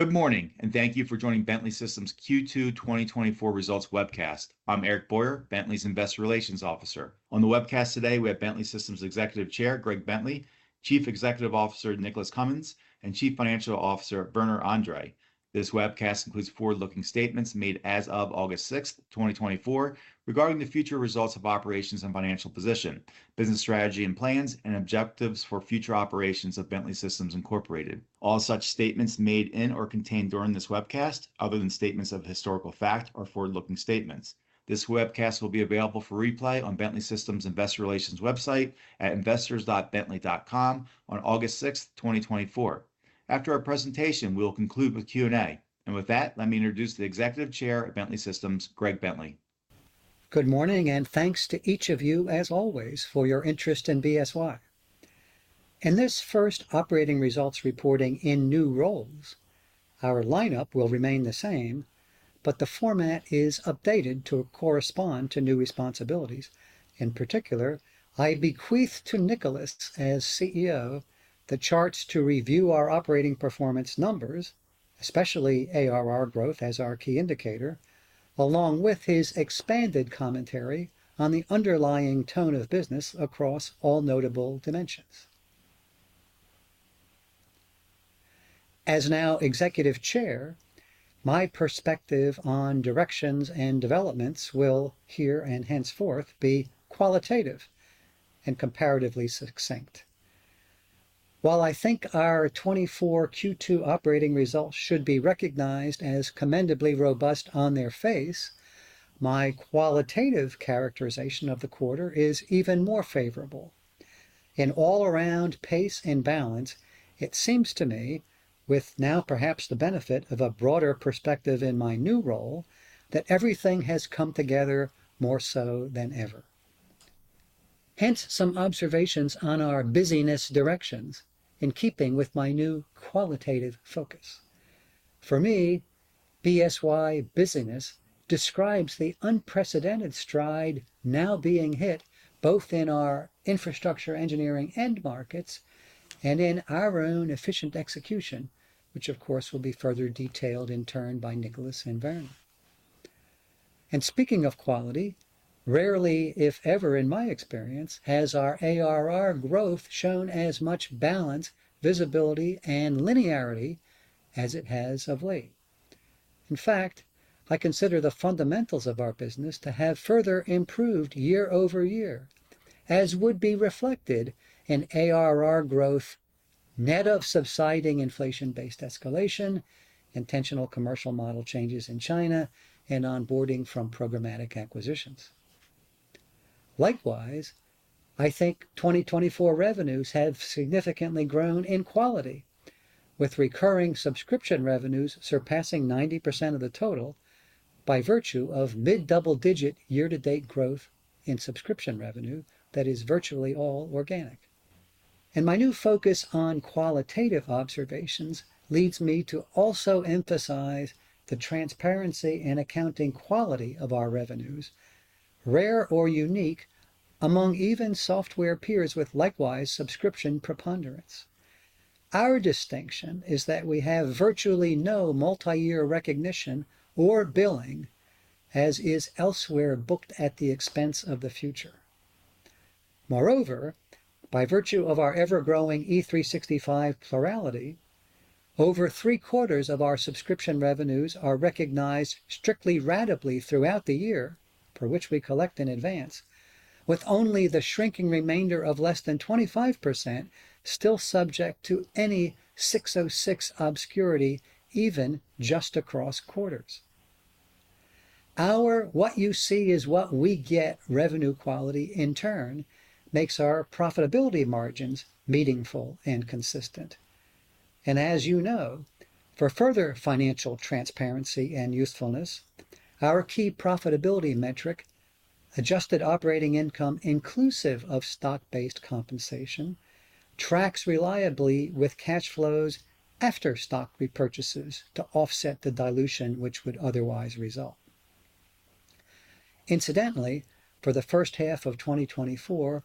Good morning, and thank you for joining Bentley Systems' Q2 2024 results webcast. I'm Eric Boyer, Bentley's Investor Relations Officer. On the webcast today, we have Bentley Systems' Executive Chair, Greg Bentley, Chief Executive Officer, Nicholas Cumins, and Chief Financial Officer, Werner Andre. This webcast includes forward-looking statements made as of August 6, 2024, regarding the future results of operations and financial position, business strategy and plans, and objectives for future operations of Bentley Systems Incorporated. All such statements made in or contained during this webcast, other than statements of historical fact, are forward-looking statements. This webcast will be available for replay on Bentley Systems investor relations website at investors.bentley.com on August 6, 2024. After our presentation, we will conclude with Q&A. With that, let me introduce the Executive Chair of Bentley Systems, Greg Bentley. Good morning, and thanks to each of you, as always, for your interest in BSY. In this first operating results reporting in new roles, our lineup will remain the same, but the format is updated to correspond to new responsibilities. In particular, I bequeath to Nicholas, as CEO, the charts to review our operating performance numbers, especially ARR growth as our key indicator, along with his expanded commentary on the underlying tone of business across all notable dimensions. As now Executive Chair, my perspective on directions and developments will, here and henceforth, be qualitative and comparatively succinct. While I think our 2024 Q2 operating results should be recognized as commendably robust on their face, my qualitative characterization of the quarter is even more favorable. In all-around pace and balance, it seems to me, with now perhaps the benefit of a broader perspective in my new role, that everything has come together more so than ever. Hence, some observations on our busyness directions in keeping with my new qualitative focus. For me, BSY busyness describes the unprecedented stride now being hit, both in our infrastructure engineering end markets and in our own efficient execution, which, of course, will be further detailed in turn by Nicholas and Werner. Speaking of quality, rarely, if ever, in my experience, has our ARR growth shown as much balance, visibility, and linearity as it has of late. In fact, I consider the fundamentals of our business to have further improved year-over-year, as would be reflected in ARR growth, net of subsiding inflation-based escalation, intentional commercial model changes in China, and onboarding from programmatic acquisitions. Likewise, I think 2024 revenues have significantly grown in quality, with recurring subscription revenues surpassing 90% of the total by virtue of mid-double-digit year-to-date growth in subscription revenue that is virtually all organic. My new focus on qualitative observations leads me to also emphasize the transparency and accounting quality of our revenues, rare or unique among even software peers with likewise subscription preponderance. Our distinction is that we have virtually no multi-year recognition or billing, as is elsewhere booked at the expense of the future. Moreover, by virtue of our ever-growing E365 plurality, over three-quarters of our subscription revenues are recognized strictly ratably throughout the year, for which we collect in advance, with only the shrinking remainder of less than 25% still subject to any 606 obscurity, even just across quarters. Our what you see is what we get revenue quality, in turn, makes our profitability margins meaningful and consistent. As you know, for further financial transparency and usefulness, our key profitability metric, adjusted operating income, inclusive of stock-based compensation, tracks reliably with cash flows after stock repurchases to offset the dilution which would otherwise result. Incidentally, for the first half of 2024,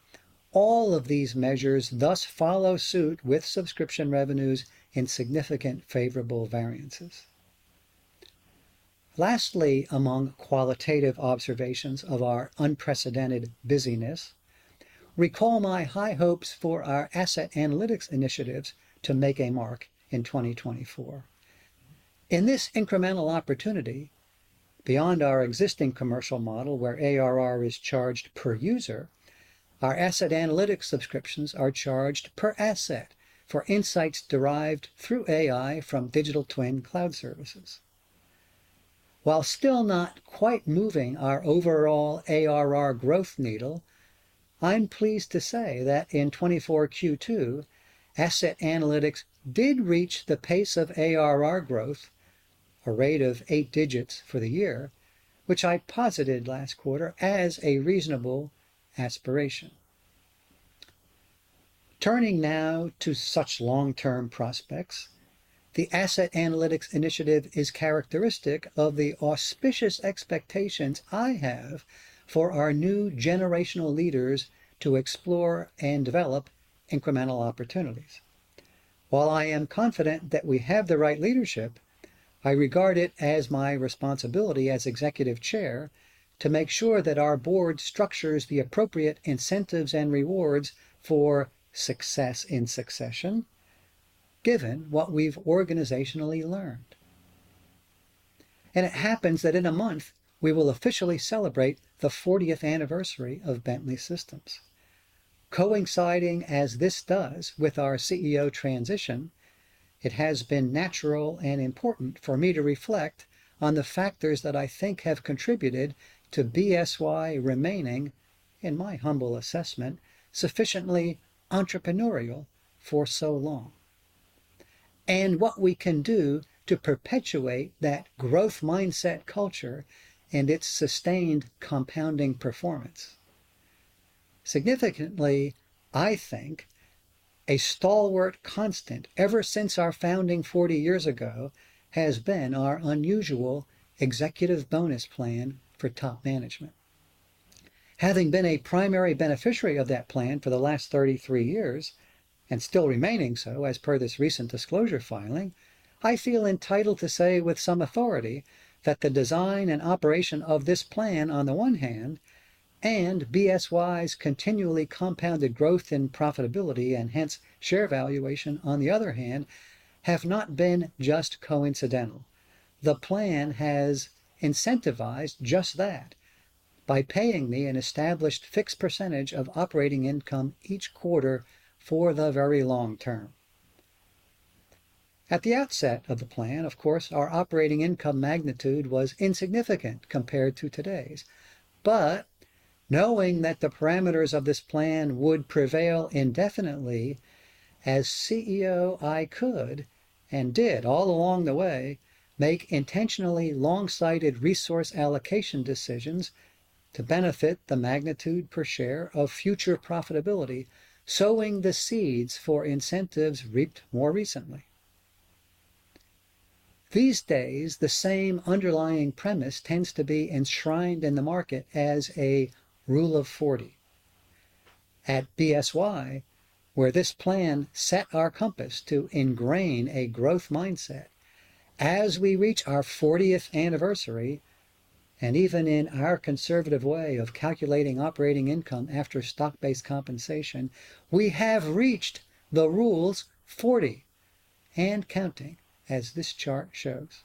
all of these measures thus follow suit with subscription revenues in significant favorable variances. Lastly, among qualitative observations of our unprecedented busyness, recall my high hopes for our asset analytics initiatives to make a mark in 2024. In this incremental opportunity, beyond our existing commercial model, where ARR is charged per user, our asset analytics subscriptions are charged per asset for insights derived through AI from digital twin cloud services. While still not quite moving our overall ARR growth needle, I'm pleased to say that in 2024 Q2, asset analytics did reach the pace of ARR growth, a rate of eight digits for the year, which I posited last quarter as a reasonable aspiration. Turning now to such long-term prospects, the asset analytics initiative is characteristic of the auspicious expectations I have for our new generational leaders to explore and develop incremental opportunities. While I am confident that we have the right leadership, I regard it as my responsibility as Executive Chair to make sure that our board structures the appropriate incentives and rewards for success in succession, given what we've organizationally learned. It happens that in a month, we will officially celebrate the 40th anniversary of Bentley Systems. Coinciding as this does with our CEO transition, it has been natural and important for me to reflect on the factors that I think have contributed to BSY remaining, in my humble assessment, sufficiently entrepreneurial for so long, and what we can do to perpetuate that growth mindset culture and its sustained compounding performance. Significantly, I think, a stalwart constant ever since our founding 40 years ago, has been our unusual executive bonus plan for top management. Having been a primary beneficiary of that plan for the last 33 years, and still remaining so as per this recent disclosure filing, I feel entitled to say with some authority, that the design and operation of this plan, on the one hand, and BSY's continually compounded growth and profitability, and hence, share valuation, on the other hand, have not been just coincidental. The plan has incentivized just that by paying me an established fixed percentage of operating income each quarter for the very long term. At the outset of the plan, of course, our operating income magnitude was insignificant compared to today's. But knowing that the parameters of this plan would prevail indefinitely, as CEO, I could, and did, all along the way, make intentionally long-sighted resource allocation decisions to benefit the magnitude per share of future profitability, sowing the seeds for incentives reaped more recently. These days, the same underlying premise tends to be enshrined in the market as a Rule of 40. At BSY, where this plan set our compass to ingrain a growth mindset, as we reach our fortieth anniversary, and even in our conservative way of calculating operating income after stock-based compensation, we have reached the rule's 40 and counting, as this chart shows.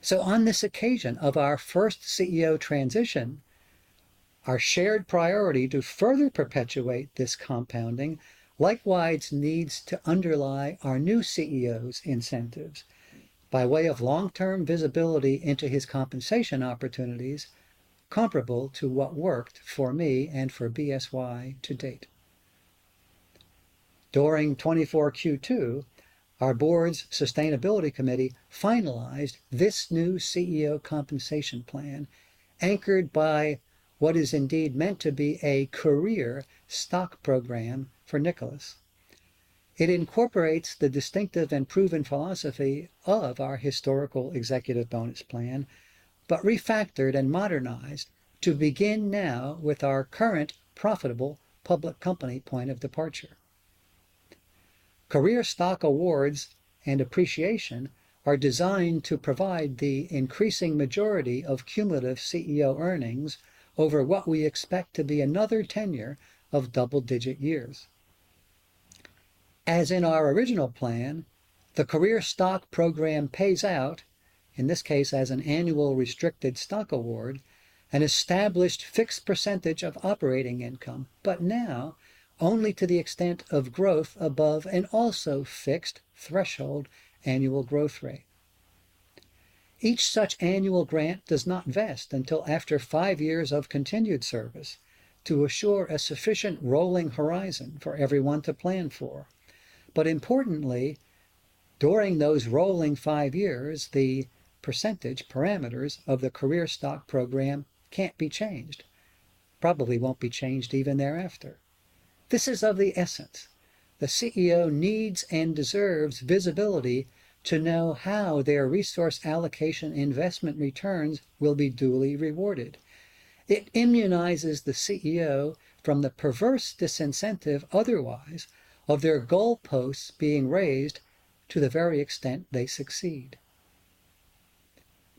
So on this occasion of our first CEO transition, our shared priority to further perpetuate this compounding, likewise, needs to underlie our new CEO's incentives by way of long-term visibility into his compensation opportunities, comparable to what worked for me and for BSY to date. During 2024 Q2, our board's sustainability committee finalized this new CEO compensation plan, anchored by what is indeed meant to be a career stock program for Nicholas. It incorporates the distinctive and proven philosophy of our historical executive bonus plan, but refactored and modernized to begin now with our current profitable public company point of departure. Career stock awards and appreciation are designed to provide the increasing majority of cumulative CEO earnings over what we expect to be another tenure of double-digit years. As in our original plan, the career stock program pays out, in this case, as an annual restricted stock award, an established fixed percentage of operating income, but now only to the extent of growth above an also fixed threshold annual growth rate. Each such annual grant does not vest until after five years of continued service to assure a sufficient rolling horizon for everyone to plan for. But importantly, during those rolling five years, the percentage parameters of the career stock program can't be changed. Probably won't be changed even thereafter. This is of the essence. The CEO needs and deserves visibility to know how their resource allocation investment returns will be duly rewarded. It immunizes the CEO from the perverse disincentive otherwise of their goalposts being raised to the very extent they succeed.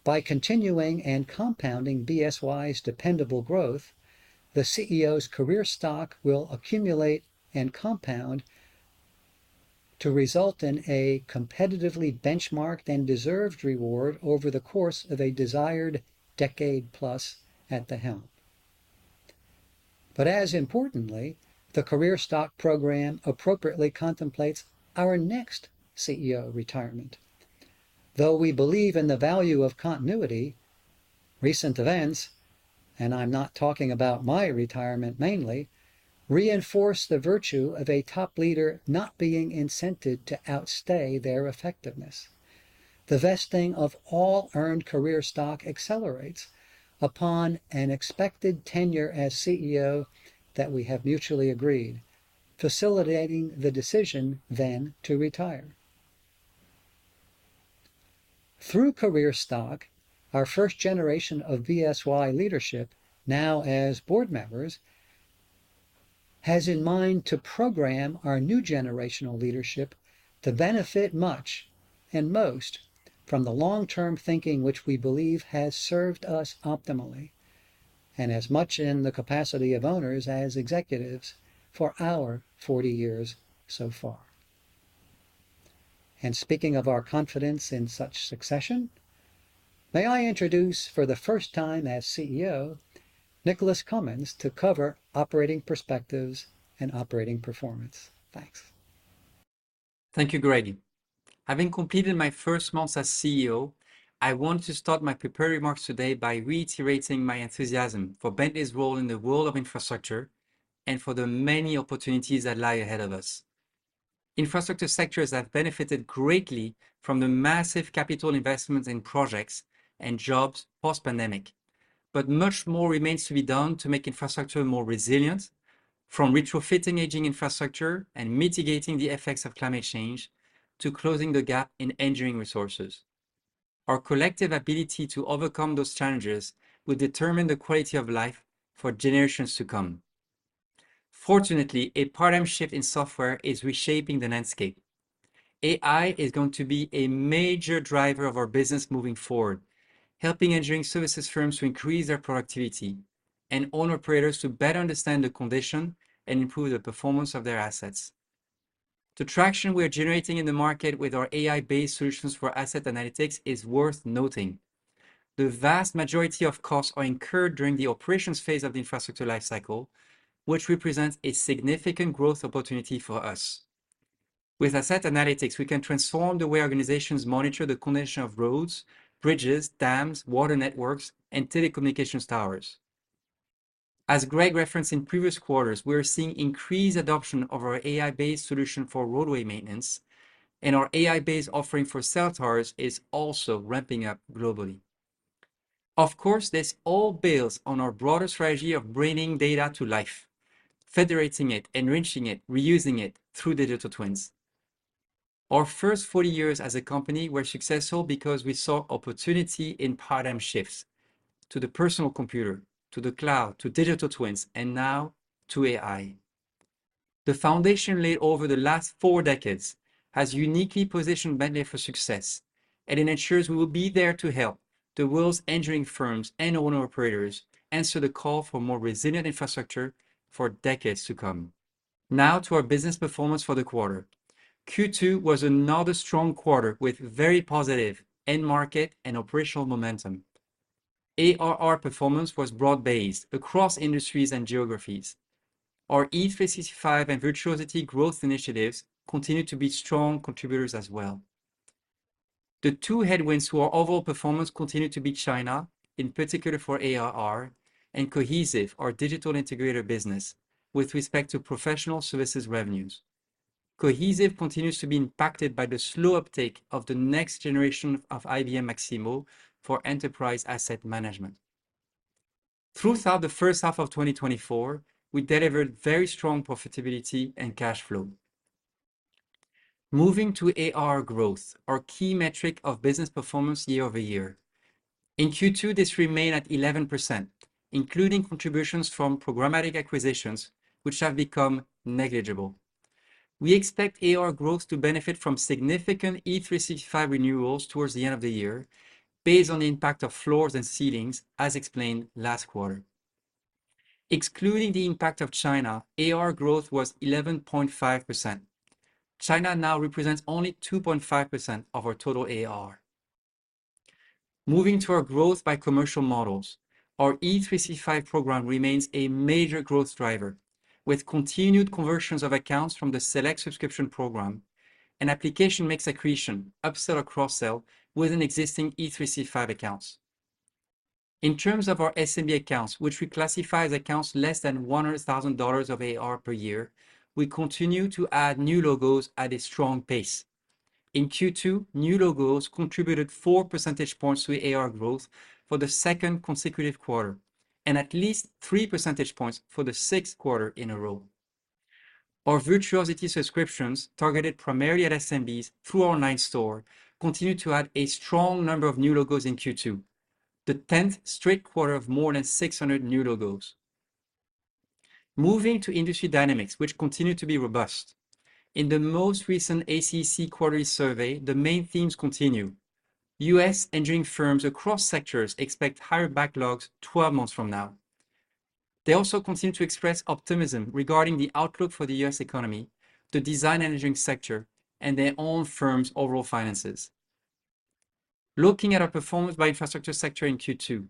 By continuing and compounding BSY's dependable growth, the CEO's career stock will accumulate and compound to result in a competitively benchmarked and deserved reward over the course of a desired decade plus at the helm. But as importantly, the career stock program appropriately contemplates our next CEO retirement. Though we believe in the value of continuity, recent events, and I'm not talking about my retirement mainly, reinforce the virtue of a top leader not being incented to outstay their effectiveness. The vesting of all earned career stock accelerates upon an expected tenure as CEO that we have mutually agreed, facilitating the decision then to retire.... Through Career Stock, our first generation of BSY leadership, now as board members, has in mind to program our new generational leadership to benefit much and most from the long-term thinking, which we believe has served us optimally, and as much in the capacity of owners as executives for our 40 years so far. Speaking of our confidence in such succession, may I introduce for the first time as CEO, Nicholas Cumins, to cover operating perspectives and operating performance. Thanks. Thank you, Greg. Having completed my first month as CEO, I want to start my prepared remarks today by reiterating my enthusiasm for Bentley's role in the world of infrastructure and for the many opportunities that lie ahead of us. Infrastructure sectors have benefited greatly from the massive capital investments in projects and jobs post-pandemic, but much more remains to be done to make infrastructure more resilient, from retrofitting aging infrastructure and mitigating the effects of climate change, to closing the gap in engineering resources. Our collective ability to overcome those challenges will determine the quality of life for generations to come. Fortunately, a paradigm shift in software is reshaping the landscape. AI is going to be a major driver of our business moving forward, helping engineering services firms to increase their productivity and owner operators to better understand the condition and improve the performance of their assets. The traction we are generating in the market with our AI-based solutions for asset analytics is worth noting. The vast majority of costs are incurred during the operations phase of the infrastructure life cycle, which represents a significant growth opportunity for us. With asset analytics, we can transform the way organizations monitor the condition of roads, bridges, dams, water networks, and telecommunications towers. As Greg referenced in previous quarters, we are seeing increased adoption of our AI-based solution for roadway maintenance, and our AI-based offering for cell towers is also ramping up globally. Of course, this all builds on our broader strategy of bringing data to life, federating it, enriching it, reusing it through digital twins. Our first 40 years as a company were successful because we saw opportunity in paradigm shifts: to the personal computer, to the cloud, to digital twins, and now to AI. The foundation laid over the last four decades has uniquely positioned Bentley for success, and it ensures we will be there to help the world's engineering firms and owner-operators answer the call for more resilient infrastructure for decades to come. Now, to our business performance for the quarter. Q2 was another strong quarter with very positive end market and operational momentum. ARR performance was broad-based across industries and geographies. Our E365 and Virtuosity growth initiatives continued to be strong contributors as well. The two headwinds to our overall performance continued to be China, in particular for ARR, and Cohesive, our digital integrator business, with respect to professional services revenues. Cohesive continues to be impacted by the slow uptake of the next generation of IBM Maximo for enterprise asset management. Throughout the first half of 2024, we delivered very strong profitability and cash flow. Moving to AR growth, our key metric of business performance year-over-year. In Q2, this remained at 11%, including contributions from programmatic acquisitions, which have become negligible. We expect AR growth to benefit from significant E365 renewals towards the end of the year, based on the impact of floors and ceilings, as explained last quarter. Excluding the impact of China, AR growth was 11.5%. China now represents only 2.5% of our total AR. Moving to our growth by commercial models, our E365 program remains a major growth driver, with continued conversions of accounts from the select subscription program and application mix accretion, upsell or cross-sell within existing E365 accounts. In terms of our SMB accounts, which we classify as accounts less than $100,000 of AR per year, we continue to add new logos at a strong pace. In Q2, new logos contributed 4 percentage points to AR growth for the second consecutive quarter, and at least 3 percentage points for the sixth quarter in a row. Our Virtuosity subscriptions, targeted primarily at SMBs through our online store, continued to add a strong number of new logos in Q2, the tenth straight quarter of more than 600 new logos. Moving to industry dynamics, which continue to be robust. In the most recent ACEC quarterly survey, the main themes continue. US engineering firms across sectors expect higher backlogs 12 months from now. They also continue to express optimism regarding the outlook for the U.S. economy, the design and engineering sector, and their own firm's overall finances. Looking at our performance by infrastructure sector in Q2,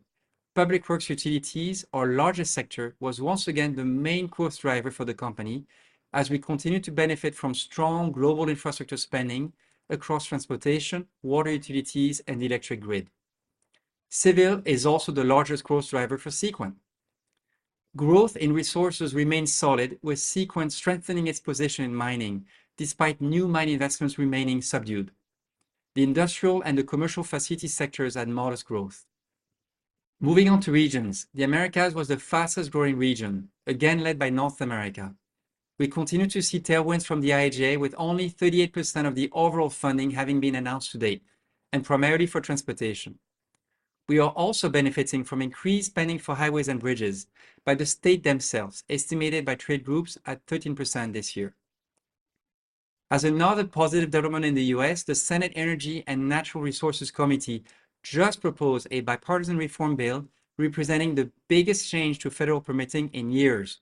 public works utilities, our largest sector, was once again the main growth driver for the company as we continue to benefit from strong global infrastructure spending across transportation, water utilities, and the electric grid. Civil is also the largest growth driver for Seequent. Growth in resources remains solid, with Seequent strengthening its position in mining, despite new mine investments remaining subdued. The industrial and the commercial facility sectors had modest growth. Moving on to regions. The Americas was the fastest growing region, again led by North America. We continue to see tailwinds from the IIJA, with only 38% of the overall funding having been announced to date, and primarily for transportation. We are also benefiting from increased spending for highways and bridges by the state themselves, estimated by trade groups at 13% this year. As another positive development in the U.S., the Senate Energy and Natural Resources Committee just proposed a bipartisan reform bill, representing the biggest change to federal permitting in years.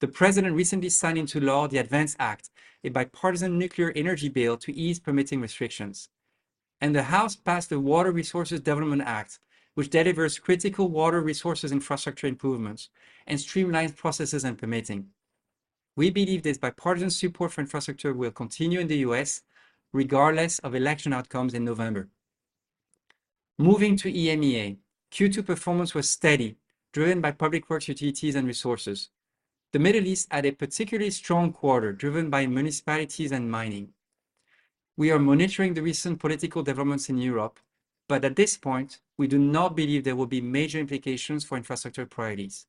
The president recently signed into law the ADVANCE Act, a bipartisan nuclear energy bill to ease permitting restrictions. The House passed the Water Resources Development Act, which delivers critical water resources infrastructure improvements, and streamlines processes and permitting. We believe this bipartisan support for infrastructure will continue in the U.S., regardless of election outcomes in November. Moving to EMEA, Q2 performance was steady, driven by public works, utilities, and resources. The Middle East had a particularly strong quarter, driven by municipalities and mining. We are monitoring the recent political developments in Europe, but at this point, we do not believe there will be major implications for infrastructure priorities.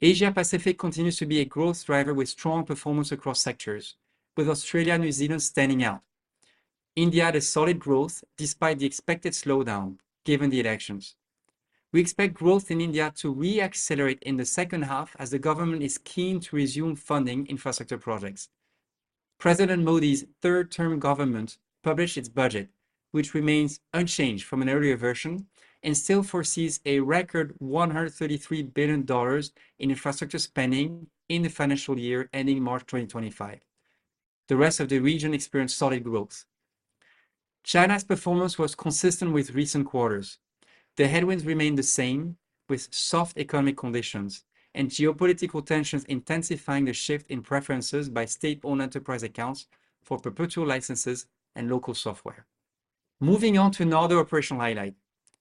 Asia Pacific continues to be a growth driver with strong performance across sectors, with Australia and New Zealand standing out. India had a solid growth despite the expected slowdown, given the elections. We expect growth in India to re-accelerate in the second half as the government is keen to resume funding infrastructure projects. President Modi's third-term government published its budget, which remains unchanged from an earlier version and still foresees a record $133 billion in infrastructure spending in the financial year ending March 2025. The rest of the region experienced solid growth. China's performance was consistent with recent quarters. The headwinds remained the same, with soft economic conditions and geopolitical tensions intensifying the shift in preferences by state-owned enterprise accounts for perpetual licenses and local software. Moving on to another operational highlight.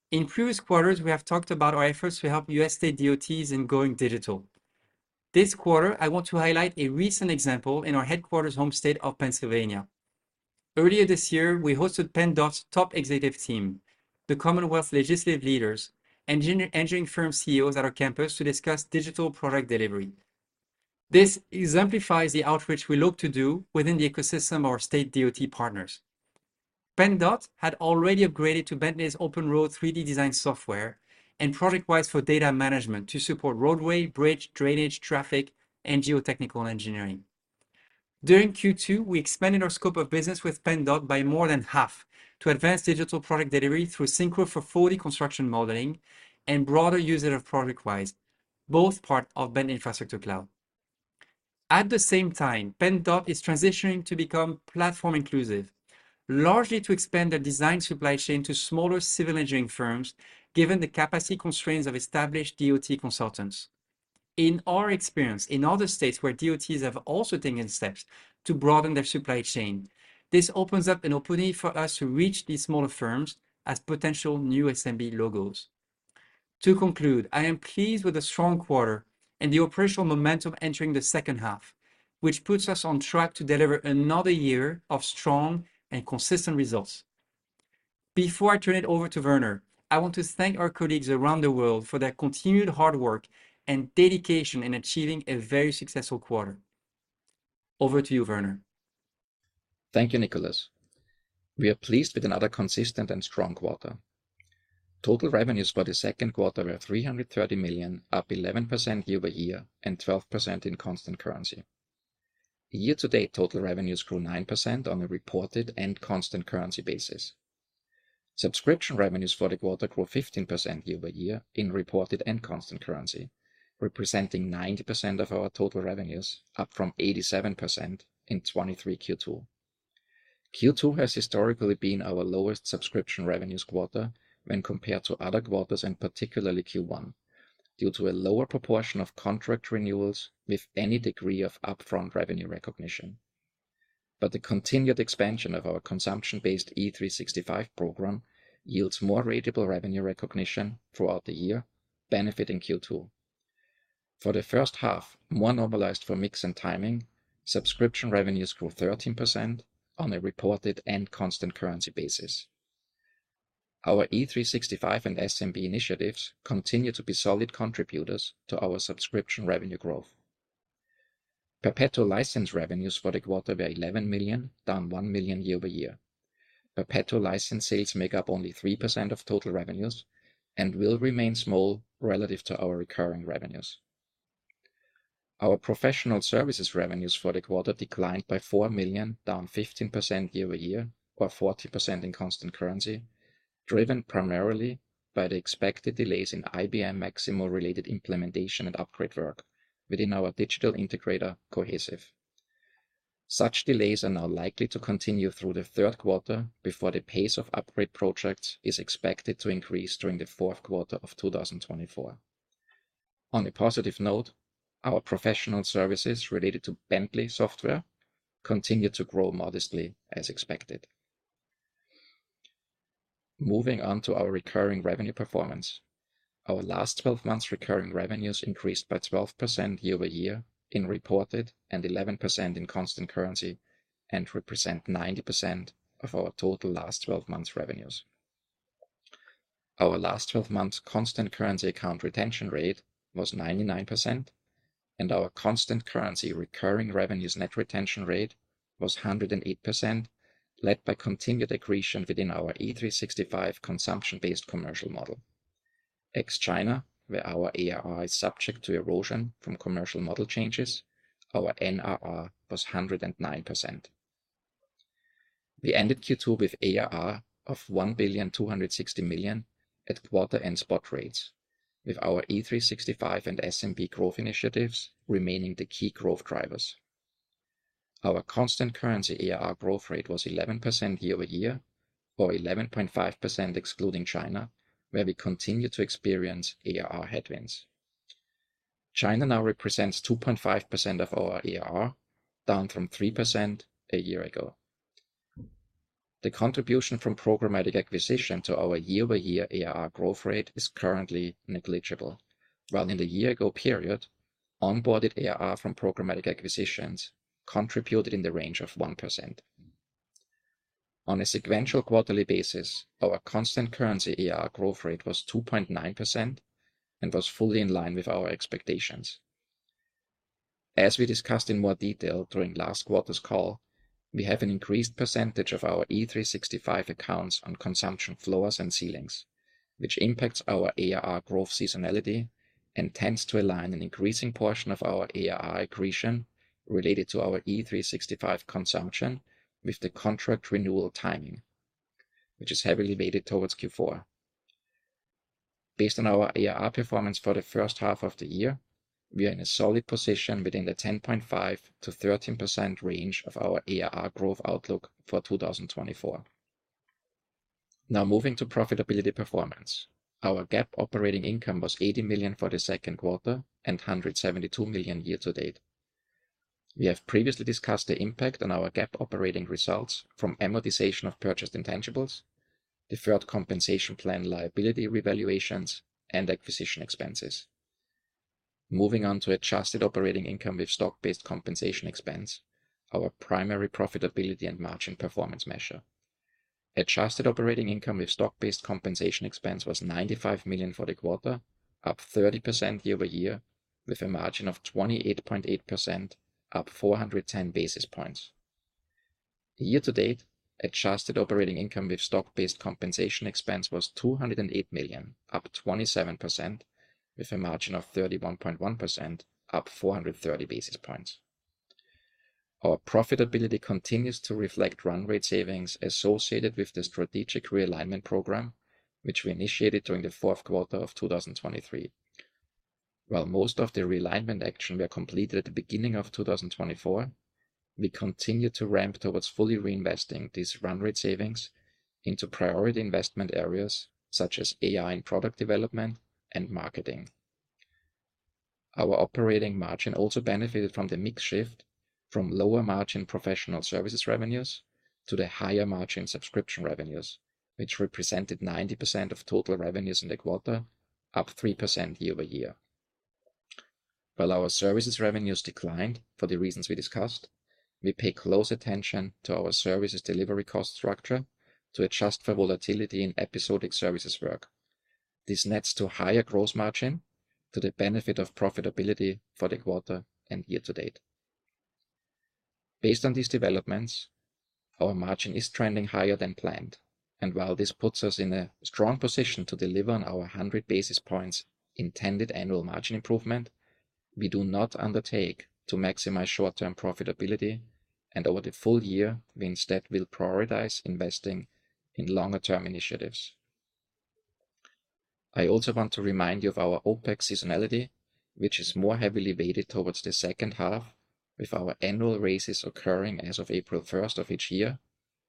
In previous quarters, we have talked about our efforts to help U.S. state DOTs in going digital. This quarter, I want to highlight a recent example in our headquarters' home state of Pennsylvania. Earlier this year, we hosted PennDOT's top executive team, the Commonwealth legislative leaders, engineering firm CEOs at our campus to discuss digital product delivery. This exemplifies the outreach we look to do within the ecosystem of our state DOT partners. PennDOT had already upgraded to Bentley's OpenRoads 3D design software and ProjectWise for data management to support roadway, bridge, drainage, traffic, and geotechnical engineering. During Q2, we expanded our scope of business with PennDOT by more than half to advance digital product delivery through SYNCHRO for 4D construction modeling and broader use of ProjectWise, both part of Bentley Infrastructure Cloud. At the same time, PennDOT is transitioning to become platform-inclusive, largely to expand their design supply chain to smaller civil engineering firms, given the capacity constraints of established DOT consultants. In our experience, in other states where DOTs have also taken steps to broaden their supply chain, this opens up an opening for us to reach these smaller firms as potential new SMB logos. To conclude, I am pleased with the strong quarter and the operational momentum entering the second half, which puts us on track to deliver another year of strong and consistent results. Before I turn it over to Werner, I want to thank our colleagues around the world for their continued hard work and dedication in achieving a very successful quarter. Over to you, Werner. Thank you, Nicholas. We are pleased with another consistent and strong quarter. Total revenues for the second quarter were $330 million, up 11% year-over-year, and 12% in constant currency. Year-to-date, total revenues grew 9% on a reported and constant currency basis. Subscription revenues for the quarter grew 15% year-over-year in reported and constant currency, representing 90% of our total revenues, up from 87% in 2023 Q2. Q2 has historically been our lowest subscription revenues quarter when compared to other quarters, and particularly Q1, due to a lower proportion of contract renewals with any degree of upfront revenue recognition. But the continued expansion of our consumption-based E365 program yields more ratable revenue recognition throughout the year, benefiting Q2. For the first half, more normalized for mix and timing, subscription revenues grew 13% on a reported and constant currency basis. Our E365 and SMB initiatives continue to be solid contributors to our subscription revenue growth. Perpetual license revenues for the quarter were $11 million, down $1 million year-over-year. Perpetual license sales make up only 3% of total revenues and will remain small relative to our recurring revenues. Our professional services revenues for the quarter declined by $4 million, down 15% year-over-year, or 40% in constant currency, driven primarily by the expected delays in IBM Maximo-related implementation and upgrade work within our digital integrator, Cohesive. Such delays are now likely to continue through the third quarter, before the pace of upgrade projects is expected to increase during the fourth quarter of 2024. On a positive note, our professional services related to Bentley software continued to grow modestly as expected. Moving on to our recurring revenue performance. Our last twelve months recurring revenues increased by 12% year-over-year in reported, and 11% in constant currency, and represent 90% of our total last twelve months' revenues. Our last twelve months constant currency account retention rate was 99%, and our constant currency recurring revenues net retention rate was 108%, led by continued accretion within our E365 consumption-based commercial model. Ex China, where our ARR is subject to erosion from commercial model changes, our NRR was 109%. We ended Q2 with ARR of $1.26 billion at quarter and spot rates, with our E365 and SMB growth initiatives remaining the key growth drivers. Our constant currency ARR growth rate was 11% year-over-year, or 11.5% excluding China, where we continue to experience ARR headwinds. China now represents 2.5% of our ARR, down from 3% a year ago. The contribution from programmatic acquisition to our year-over-year ARR growth rate is currently negligible. While in the year ago period, onboarded ARR from programmatic acquisitions contributed in the range of 1%. On a sequential quarterly basis, our constant currency ARR growth rate was 2.9% and was fully in line with our expectations. As we discussed in more detail during last quarter's call, we have an increased percentage of our E365 accounts on consumption floors and ceilings, which impacts our ARR growth seasonality and tends to align an increasing portion of our ARR accretion related to our E365 consumption with the contract renewal timing, which is heavily weighted towards Q4. Based on our ARR performance for the first half of the year, we are in a solid position within the 10.5%-13% range of our ARR growth outlook for 2024. Now, moving to profitability performance. Our GAAP operating income was $80 million for the second quarter and $172 million year to date. We have previously discussed the impact on our GAAP operating results from amortization of purchased intangibles, deferred compensation plan liability revaluations, and acquisition expenses. Moving on to adjusted operating income with stock-based compensation expense, our primary profitability and margin performance measure. Adjusted operating income with stock-based compensation expense was $95 million for the quarter, up 30% year-over-year, with a margin of 28.8%, up 410 basis points. Year to date, adjusted operating income with stock-based compensation expense was $208 million, up 27%, with a margin of 31.1%, up 430 basis points. Our profitability continues to reflect run rate savings associated with the strategic realignment program, which we initiated during the fourth quarter of 2023. While most of the realignment actions were completed at the beginning of 2024, we continued to ramp towards fully reinvesting these run rate savings into priority investment areas such as AI and product development and marketing. Our operating margin also benefited from the mix shift from lower margin professional services revenues to the higher margin subscription revenues, which represented 90% of total revenues in the quarter, up 3% year-over-year. While our services revenues declined for the reasons we discussed, we pay close attention to our services delivery cost structure to adjust for volatility in episodic services work. This nets to higher gross margin to the benefit of profitability for the quarter and year to date. Based on these developments, our margin is trending higher than planned, and while this puts us in a strong position to deliver on our 100 basis points intended annual margin improvement, we do not undertake to maximize short-term profitability, and over the full year, we instead will prioritize investing in longer-term initiatives. I also want to remind you of our OpEx seasonality, which is more heavily weighted towards the second half, with our annual raises occurring as of April first of each year,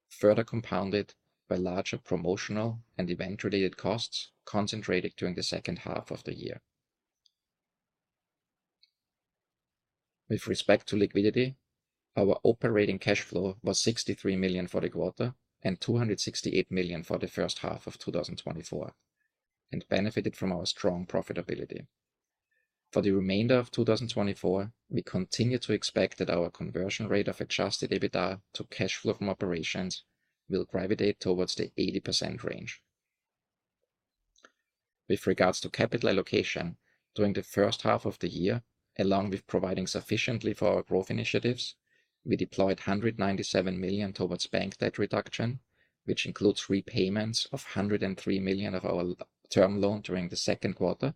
further compounded by larger promotional and event-related costs concentrated during the second half of the year. With respect to liquidity, our operating cash flow was $63 million for the quarter and $268 million for the first half of 2024, and benefited from our strong profitability. For the remainder of 2024, we continue to expect that our conversion rate of adjusted EBITDA to cash flow from operations will gravitate towards the 80% range. With regards to capital allocation, during the first half of the year, along with providing sufficiently for our growth initiatives, we deployed $197 million towards bank debt reduction, which includes repayments of $103 million of our long-term loan during the second quarter,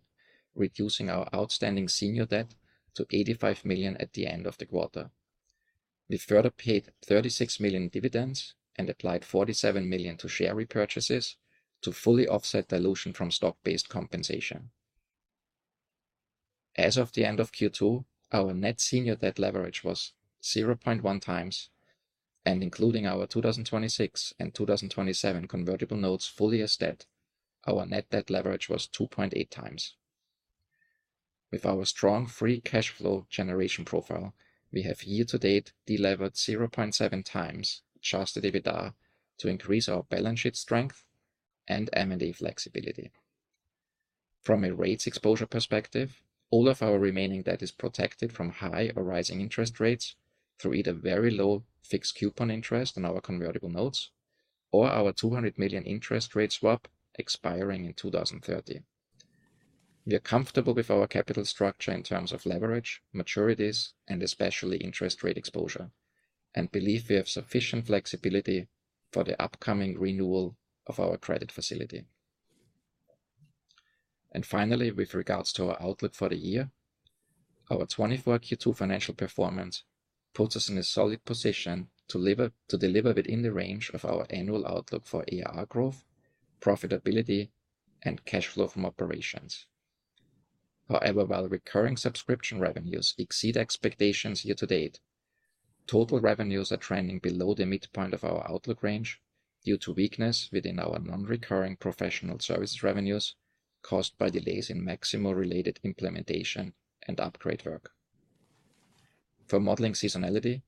reducing our outstanding senior debt to $85 million at the end of the quarter. We further paid $36 million in dividends and applied $47 million to share repurchases to fully offset dilution from stock-based compensation. As of the end of Q2, our net senior debt leverage was 0.1 times, and including our 2026 and 2027 convertible notes fully as debt, our net debt leverage was 2.8 times... With our strong free cash flow generation profile, we have year-to-date delevered 0.7x adjusted EBITDA to increase our balance sheet strength and M&A flexibility. From a rates exposure perspective, all of our remaining debt is protected from high or rising interest rates through either very low fixed coupon interest on our convertible notes or our $200 million interest rate swap expiring in 2030. We are comfortable with our capital structure in terms of leverage, maturities, and especially interest rate exposure, and believe we have sufficient flexibility for the upcoming renewal of our credit facility. And finally, with regards to our outlook for the year, our 2024 Q2 financial performance puts us in a solid position to deliver within the range of our annual outlook for AR growth, profitability, and cash flow from operations. However, while recurring subscription revenues exceed expectations year to date, total revenues are trending below the midpoint of our outlook range due to weakness within our non-recurring professional services revenues caused by delays in Maximo-related implementation and upgrade work. For modeling seasonality,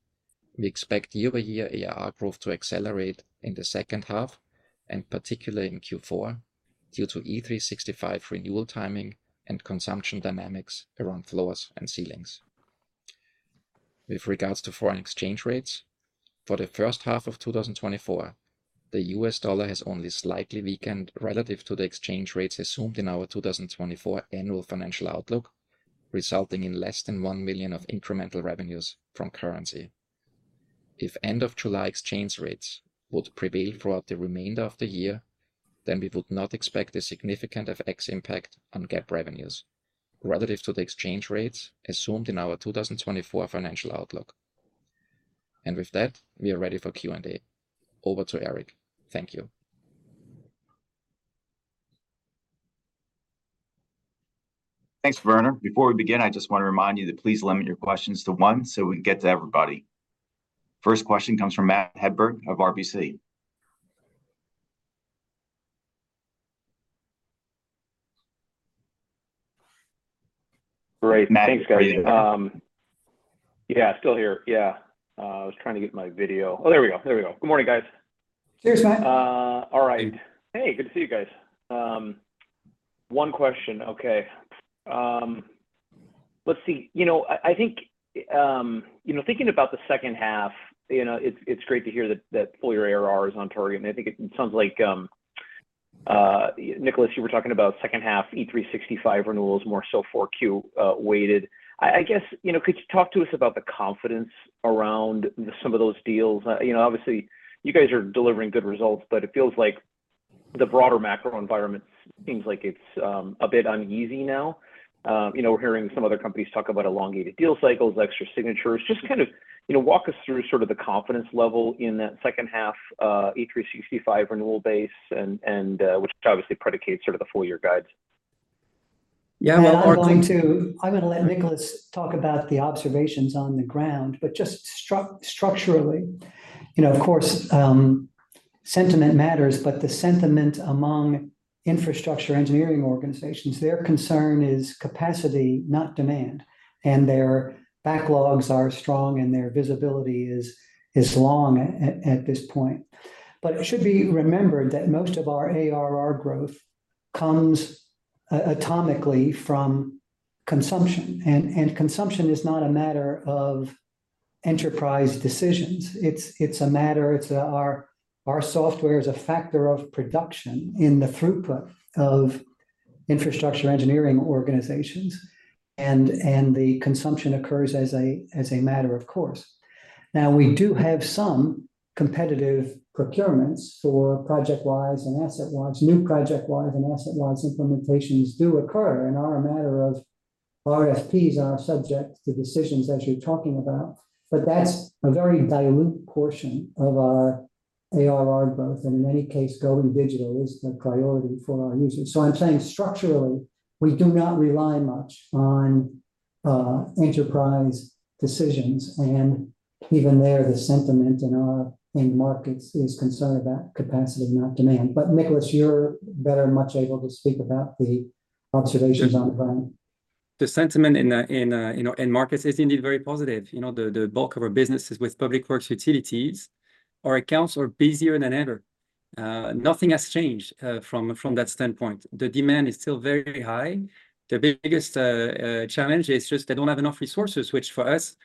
we expect year-over-year AR growth to accelerate in the second half, and particularly in Q4, due to E365 renewal timing and consumption dynamics around floors and ceilings. With regards to foreign exchange rates, for the first half of 2024, the U.S. dollar has only slightly weakened relative to the exchange rates assumed in our 2024 annual financial outlook, resulting in less than $1 million of incremental revenues from currency. If end-of-July exchange rates would prevail throughout the remainder of the year, then we would not expect a significant FX impact on GAAP revenues relative to the exchange rates assumed in our 2024 financial outlook. With that, we are ready for Q&A. Over to Eric. Thank you. Thanks, Werner. Before we begin, I just want to remind you that please limit your questions to one so we can get to everybody. First question comes from Matt Hedberg of RBC. Yeah, still here. Yeah. I was trying to get my video... Oh, there we go. There we go. Good morning, guys. Cheers, Matt. All right. Hey, good to see you guys. One question. Okay. Let's see. You know, I think you know, thinking about the second half, you know, it's great to hear that full year ARR is on target, and I think it sounds like Nicholas, you were talking about second half E365 renewals, more so 4Q weighted. I guess, you know, could you talk to us about the confidence around some of those deals? You know, obviously, you guys are delivering good results, but it feels like the broader macro environment seems like it's a bit uneasy now. You know, we're hearing some other companies talk about elongated deal cycles, extra signatures. Just kind of, you know, walk us through sort of the confidence level in that second half, E365 renewal base and which obviously predicates sort of the full year guides. Yeah, well, I'm going to- I'm gonna let Nicholas talk about the observations on the ground, but just structurally, you know, of course, sentiment matters, but the sentiment among infrastructure engineering organizations, their concern is capacity, not demand, and their backlogs are strong, and their visibility is long at this point. But it should be remembered that most of our ARR growth comes atomically from consumption, and consumption is not a matter of enterprise decisions. It's a matter... It's our software is a factor of production in the throughput of infrastructure engineering organizations, and the consumption occurs as a matter of course. Now, we do have some competitive procurements for ProjectWise and AssetWise. New ProjectWise and AssetWise implementations do occur and are a matter of RFPs, are subject to decisions as you're talking about, but that's a very dilute portion of our ARR growth. In any case, going digital is the priority for our users. I'm saying structurally, we do not rely much on enterprise decisions, and even there, the sentiment in our end markets is concerned about capacity, not demand. But Nicholas, you're much better able to speak about the observations on the ground. The sentiment in, you know, in markets is indeed very positive. You know, the bulk of our businesses with public works utilities, our accounts are busier than ever. Nothing has changed from that standpoint. The demand is still very high. The biggest challenge is just they don't have enough resources, which for us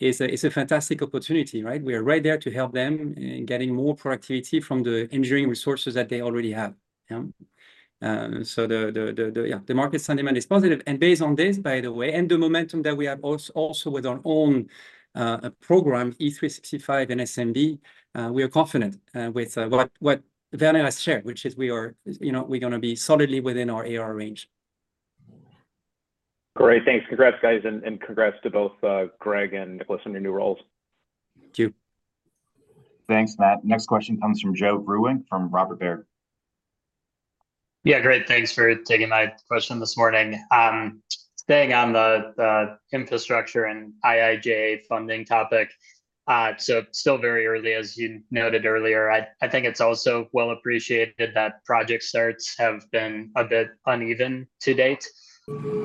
is a fantastic opportunity, right? We are right there to help them in getting more productivity from the engineering resources that they already have. Yeah. So the market sentiment is positive. And based on this, by the way, and the momentum that we have also with our own program, E365 and SMB, we are confident with what Werner has shared, which is we are, you know, we're gonna be solidly within our ARR range. Great. Thanks. Congrats, guys, and, and congrats to both, Greg and Nicholas on your new roles. Thank you. Thanks, Matt. Next question comes from Joe Vruwink from Robert W. Baird. Yeah, great. Thanks for taking my question this morning. Staying on the infrastructure and IIJA funding topic, so still very early, as you noted earlier. I think it's also well-appreciated that project starts have been a bit uneven to date.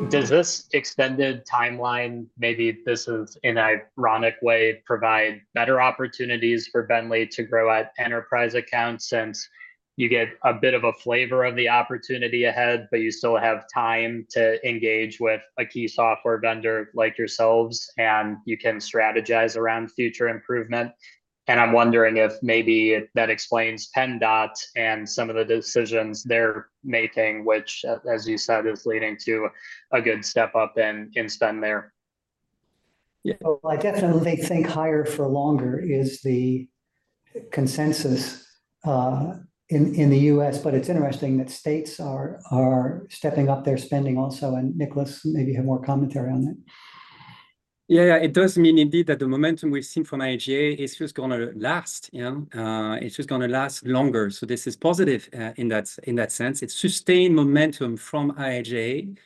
Does this extended timeline, maybe this is in a ironic way, provide better opportunities for Bentley to grow at enterprise accounts, since you get a bit of a flavor of the opportunity ahead, but you still have time to engage with a key software vendor like yourselves, and you can strategize around future improvement? And I'm wondering if maybe if that explains PennDOT and some of the decisions they're making, which, as you said, is leading to a good step up in spend there. Yeah, well, I definitely think higher for longer is the consensus in the U.S., but it's interesting that states are stepping up their spending also, and Nicholas may have more commentary on that. Yeah, yeah, it does mean indeed that the momentum we've seen from IIJA is just gonna last, you know? It's just gonna last longer. So this is positive, in that, in that sense. It's sustained momentum from IIJA.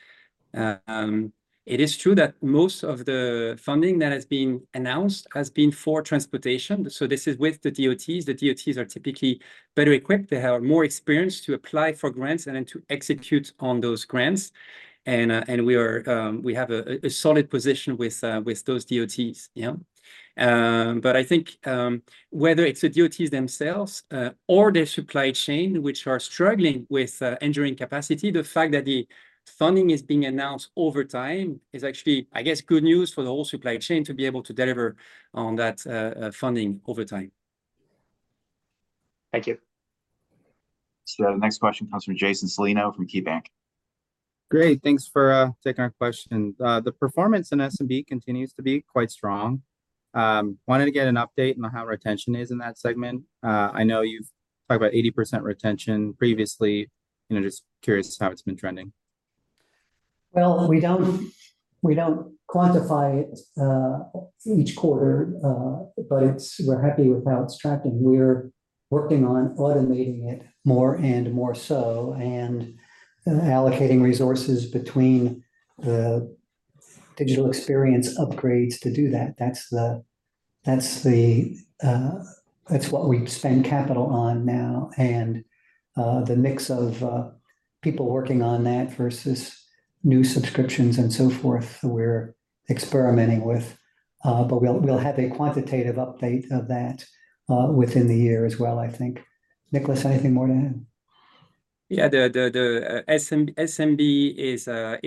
It is true that most of the funding that has been announced has been for transportation, so this is with the DOTs. The DOTs are typically better equipped. They have more experience to apply for grants, and then to execute on those grants, and, and we are... we have a, a solid position with, with those DOTs, yeah. But I think whether it's the DOTs themselves or their supply chain, which are struggling with enduring capacity, the fact that the funding is being announced over time is actually, I guess, good news for the whole supply chain to be able to deliver on that funding over time. Thank you. The next question comes from Jason Celino from KeyBanc. Great. Thanks for taking our question. The performance in SMB continues to be quite strong. Wanted to get an update on how retention is in that segment. I know you've talked about 80% retention previously. You know, just curious how it's been trending. Well, we don't, we don't quantify it each quarter, but it's- we're happy with how it's tracking. We're working on automating it more and more so, and, allocating resources between the digital experience upgrades to do that. That's the, that's the, that's what we spend capital on now, and, the mix of, people working on that versus new subscriptions and so forth, we're experimenting with. But we'll, we'll have a quantitative update of that, within the year as well, I think. Nicholas, anything more to add? Yeah, the SMB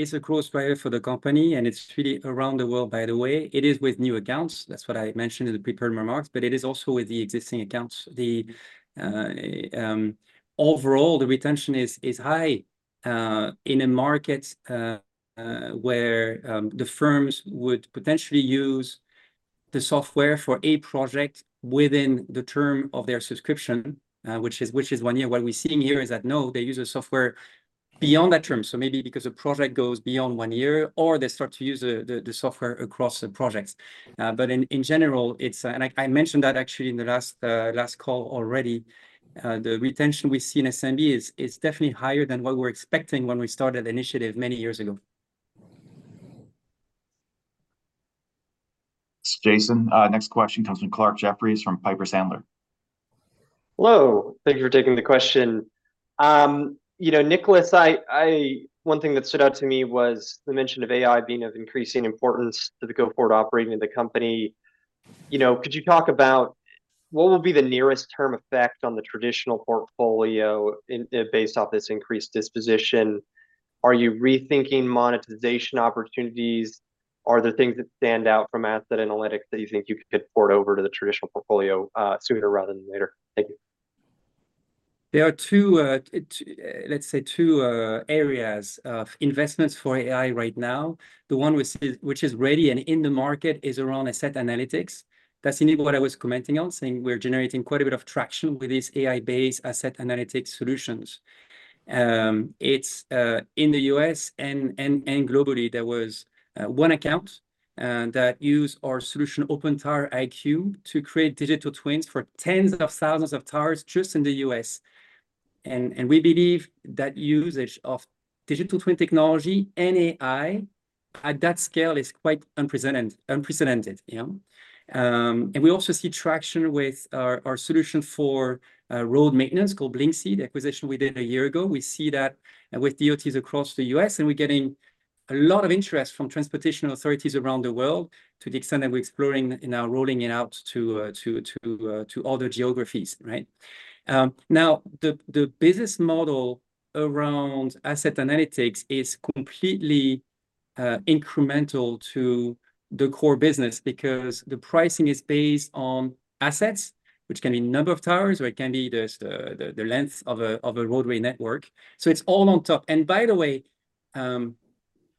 is a growth driver for the company, and it's really around the world, by the way. It is with new accounts, that's what I mentioned in the prepared remarks, but it is also with the existing accounts. The overall, the retention is high in a market where the firms would potentially use the software for a project within the term of their subscription, which is one year. What we're seeing here is that, no, they use the software beyond that term. So maybe because a project goes beyond one year, or they start to use the software across the projects. But in general, it's... and I mentioned that actually in the last call already. The retention we see in SMB is definitely higher than what we were expecting when we started the initiative many years ago. Thanks, Jason. Next question comes from Clarke Jeffries from Piper Sandler. Hello. Thank you for taking the question. You know, Nicholas, one thing that stood out to me was the mention of AI being of increasing importance to the go-forward operating of the company. You know, could you talk about what will be the nearest term effect on the traditional portfolio in based off this increased disposition? Are you rethinking monetization opportunities? Are there things that stand out from asset analytics that you think you could port over to the traditional portfolio sooner rather than later? Thank you. There are two, let's say, two, areas of investments for AI right now. The one which is, which is ready and in the market is around asset analytics. That's indeed what I was commenting on, saying we're generating quite a bit of traction with these AI-based asset analytics solutions. It's in the U.S. and globally, there was one account that used our solution, OpenTower iQ, to create digital twins for tens of thousands of towers just in the U.S. And we believe that usage of digital twin technology and AI at that scale is quite unprecedented, yeah. And we also see traction with our solution for road maintenance called Blyncsy, acquisition we did a year ago. We see that with DOTs across the U.S., and we're getting a lot of interest from transportation authorities around the world, to the extent that we're exploring and now rolling it out to other geographies, right? Now, the business model around asset analytics is completely incremental to the core business because the pricing is based on assets, which can be number of towers, or it can be the length of a roadway network. So it's all on top. And by the way...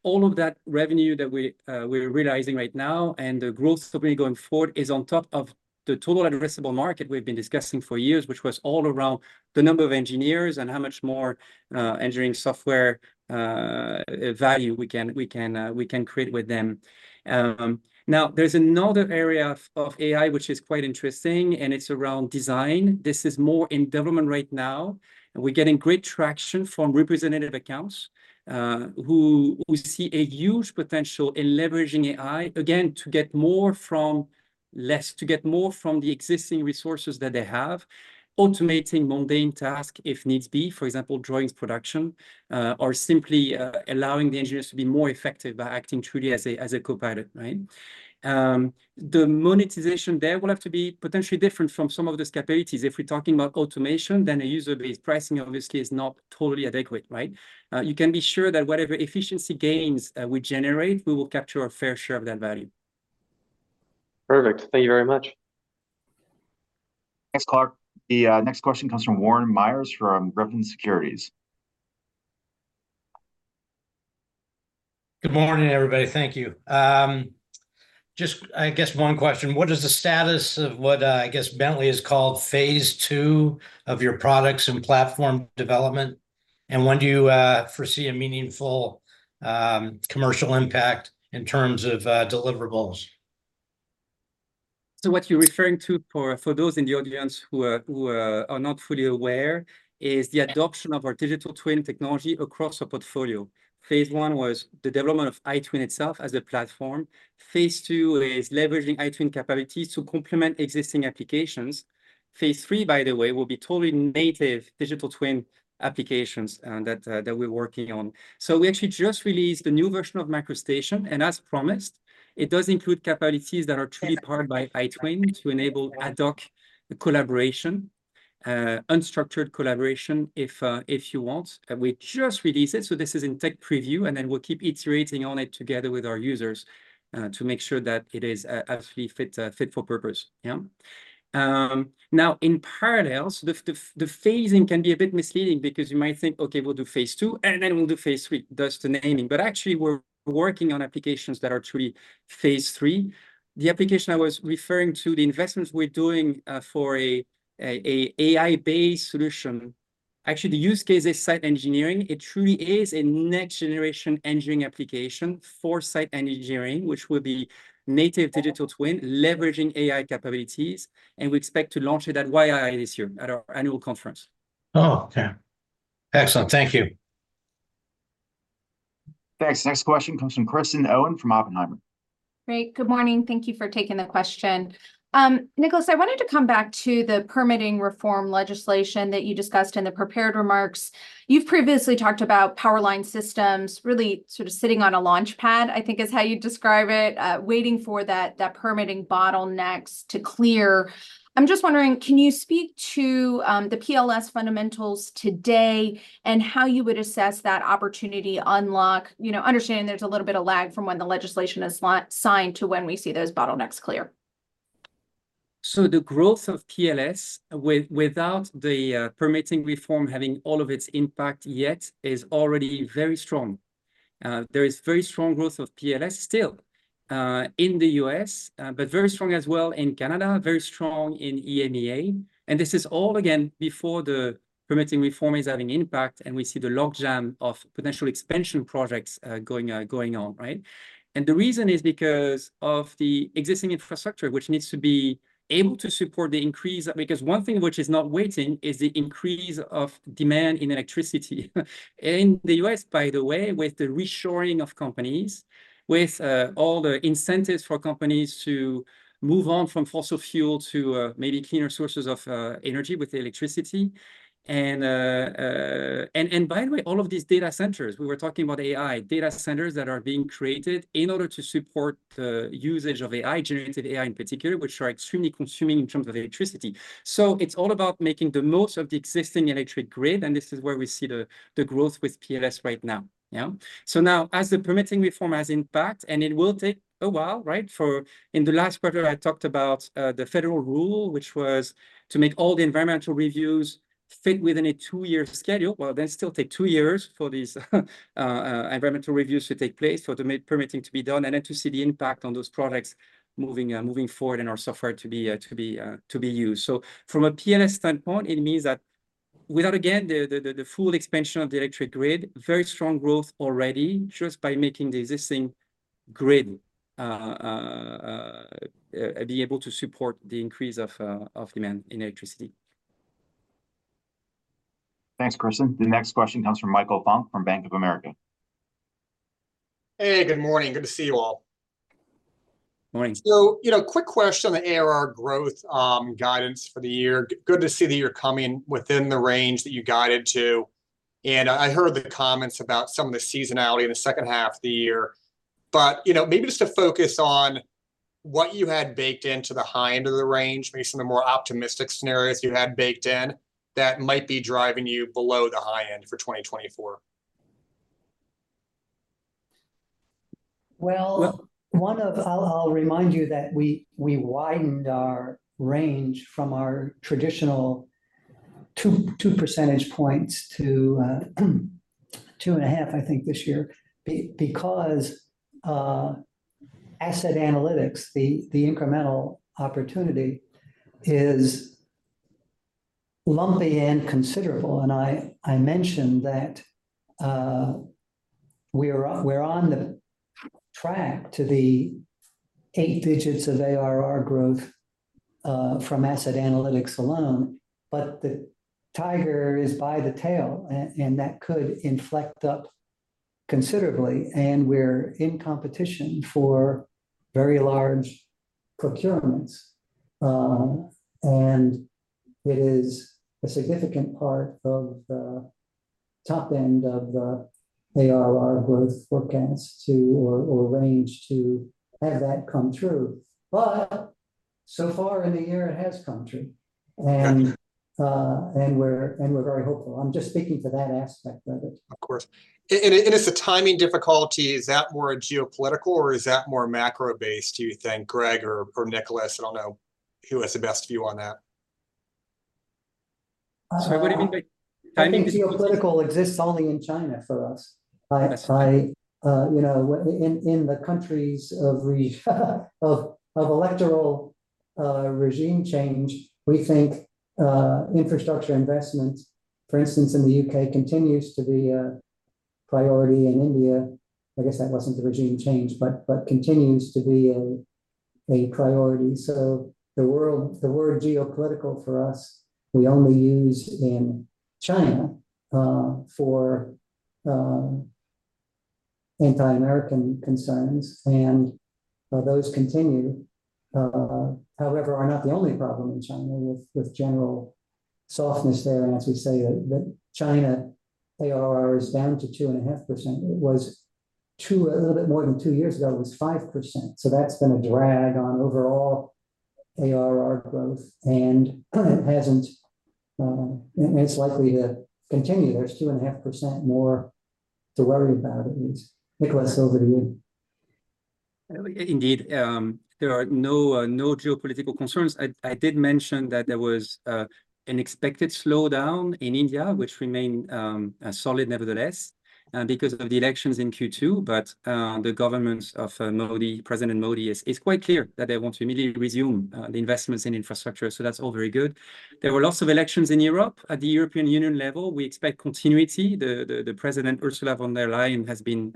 all of that revenue that we, we're realizing right now, and the growth certainly going forward, is on top of the total addressable market we've been discussing for years, which was all around the number of engineers and how much more engineering software value we can create with them. Now, there's another area of AI which is quite interesting, and it's around design. This is more in development right now, and we're getting great traction from representative accounts, who we see a huge potential in leveraging AI, again, to get more from less, to get more from the existing resources that they have, automating mundane task if needs be, for example, drawings production, or simply allowing the engineers to be more effective by acting truly as a co-pilot, right? The monetization there will have to be potentially different from some of those capabilities. If we're talking about automation, then a user-based pricing obviously is not totally adequate, right? You can be sure that whatever efficiency gains we generate, we will capture a fair share of that value. Perfect. Thank you very much. Thanks, Clarke. The next question comes from Warren Meyers from Griffin Securities. Good morning, everybody. Thank you. Just, I guess one question: What is the status of what I guess Bentley has called Phase 2 of your products and platform development, and when do you foresee a meaningful commercial impact in terms of deliverables? So what you're referring to, for those in the audience who are not fully aware, is the adoption of our digital twin technology across our portfolio. Phase 1 was the development of iTwin itself as a platform. Phase 2 is leveraging iTwin capabilities to complement existing applications. Phase 3, by the way, will be totally native digital twin applications that we're working on. So we actually just released a new version of MicroStation, and as promised, it does include capabilities that are truly powered by iTwin to enable ad hoc collaboration, unstructured collaboration, if you want. And we just released it, so this is in tech preview, and then we'll keep iterating on it together with our users to make sure that it is absolutely fit for purpose, yeah? Now in parallel, so the phasing can be a bit misleading because you might think, "Okay, we'll do Phase 2, and then we'll do Phase 3," thus the naming. But actually, we're working on applications that are truly Phase 3. The application I was referring to, the investments we're doing, for an AI-based solution, actually the use case is site engineering. It truly is a next-generation engineering application for site engineering, which will be native digital twin leveraging AI capabilities, and we expect to launch it at YII this year, at our annual conference. Oh, okay. Excellent. Thank you. Thanks. Next question comes from Kristen Owen from Oppenheimer. Great. Good morning. Thank you for taking the question. Nicholas, I wanted to come back to the permitting reform legislation that you discussed in the prepared remarks. You've previously talked about Power Line Systems really sort of sitting on a launch pad, I think is how you describe it, waiting for that, that permitting bottlenecks to clear. I'm just wondering, can you speak to the PLS fundamentals today, and how you would assess that opportunity unlock? You know, understanding there's a little bit of lag from when the legislation is signed to when we see those bottlenecks clear. So the growth of PLS, without the permitting reform having all of its impact yet, is already very strong. There is very strong growth of PLS still in the US, but very strong as well in Canada, very strong in EMEA. And this is all, again, before the permitting reform is having impact, and we see the logjam of potential expansion projects going on, right? And the reason is because of the existing infrastructure, which needs to be able to support the increase. Because one thing which is not waiting is the increase of demand in electricity. In the US, by the way, with the reshoring of companies, with all the incentives for companies to move on from fossil fuel to maybe cleaner sources of energy with electricity. And by the way, all of these data centers, we were talking about AI, data centers that are being created in order to support the usage of AI, generative AI in particular, which are extremely consuming in terms of electricity. So it's all about making the most of the existing electric grid, and this is where we see the growth with PLS right now. Yeah? So now, as the permitting reform has impact, and it will take a while, right? For... In the last quarter, I talked about the federal rule, which was to make all the environmental reviews fit within a 2-year schedule. Well, that still takes 2 years for these environmental reviews to take place, for the permitting to be done, and then to see the impact on those products moving forward and our software to be used. So from a PLS standpoint, it means that without, again, the full expansion of the electric grid, very strong growth already, just by making the existing grid be able to support the increase of demand in electricity. Thanks, Kristen. The next question comes from Michael Funk from Bank of America. Hey, good morning. Good to see you all. Morning. You know, quick question on the ARR growth, guidance for the year. Good to see that you're coming within the range that you guided to. I heard the comments about some of the seasonality in the second half of the year, but, you know, maybe just to focus on what you had baked into the high end of the range, maybe some of the more optimistic scenarios you had baked in, that might be driving you below the high end for 2024? Well, I'll remind you that we widened our range from our traditional- 2-2 percentage points to 2.5, I think, this year, because asset analytics, the incremental opportunity is lumpy and considerable. And I mentioned that, we're on track to eight digits of ARR growth from asset analytics alone, but the tiger is by the tail, and that could inflect up considerably, and we're in competition for very large procurements. And it is a significant part of the top end of the ARR growth forecast, or range, to have that come true. But so far in the year, it has come true. Okay. And we're very hopeful. I'm just speaking to that aspect of it. Of course. Is the timing difficulty, is that more a geopolitical, or is that more macro-based, do you think, Greg or, or Nicholas? I don't know who has the best view on that. Uh-Sorry, what do you mean by timing- I think geopolitical exists only in China for us. I, I, you know, in the countries of electoral regime change, we think infrastructure investments, for instance, in the UK, continues to be a priority in India. I guess that wasn't a regime change, but continues to be a priority. So the word geopolitical for us, we only use in China for anti-American concerns, and those continue. However, are not the only problem in China with general softness there. As we say, that China, ARR is down to 2.5%. It was two. A little bit more than two years ago, it was 5%, so that's been a drag on overall ARR growth, and it hasn't, and it's likely to continue. There's 2.5% more to worry about, at least. Nicholas, over to you. Indeed, there are no geopolitical concerns. I did mention that there was an expected slowdown in India, which remained solid nevertheless, because of the elections in Q2. But the government of Modi, President Modi, is quite clear that they want to immediately resume the investments in infrastructure, so that's all very good. There were lots of elections in Europe. At the European Union level, we expect continuity. The President, Ursula von der Leyen, has been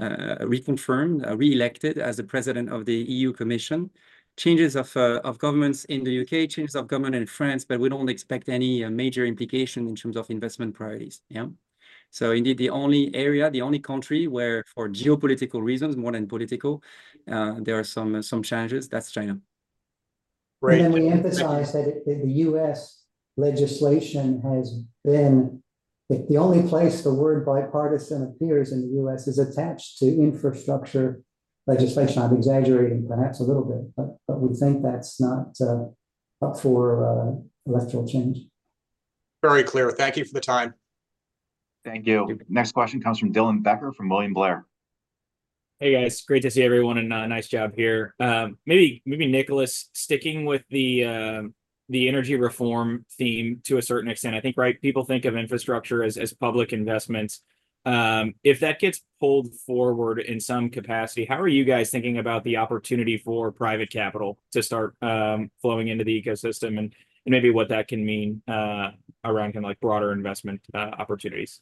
reconfirmed, reelected as the President of the EU Commission. Changes of governments in the U.K., changes of government in France, but we don't expect any major implication in terms of investment priorities. Yeah. So indeed, the only area, the only country where, for geopolitical reasons more than political, there are some challenges, that's China. We emphasize that the U.S. legislation has been... The only place the word bipartisan appears in the U.S. is attached to infrastructure legislation. I'm exaggerating perhaps a little bit, but we think that's not up for electoral change. Very clear. Thank you for the time. Thank you. Next question comes from Dylan Becker, from William Blair. Hey, guys. Great to see everyone, and, nice job here. Maybe, maybe Nicholas, sticking with the, the energy reform theme to a certain extent, I think, right, people think of infrastructure as, as public investments. If that gets pulled forward in some capacity, how are you guys thinking about the opportunity for private capital to start, flowing into the ecosystem? And, and maybe what that can mean, around kind of like broader investment, opportunities.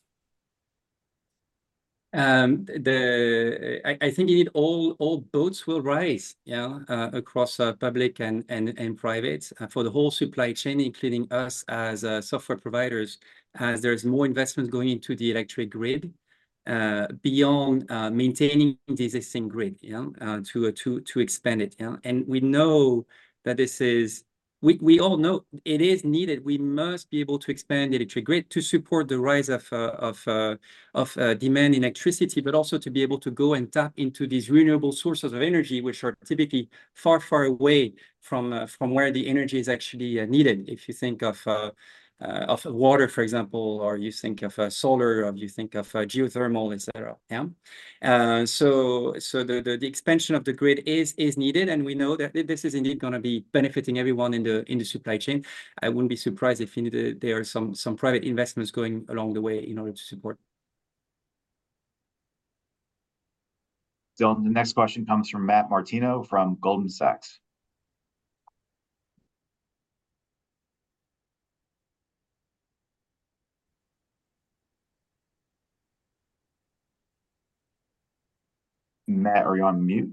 I think indeed all boats will rise, yeah, across public and private, for the whole supply chain, including us as software providers, as there is more investment going into the electric grid, beyond maintaining the existing grid, yeah, to expand it, yeah? And we all know it is needed. We must be able to expand the electric grid to support the rise of demand in electricity, but also to be able to go and tap into these renewable sources of energy, which are typically far, far away from where the energy is actually needed. If you think of water, for example, or you think of solar, or you think of geothermal, et cetera. Yeah? So the expansion of the grid is needed, and we know that this is indeed gonna be benefiting everyone in the supply chain. I wouldn't be surprised if indeed there are some private investments going along the way in order to support. Dylan, the next question comes from Matt Martino, from Goldman Sachs. Matt, are you on mute?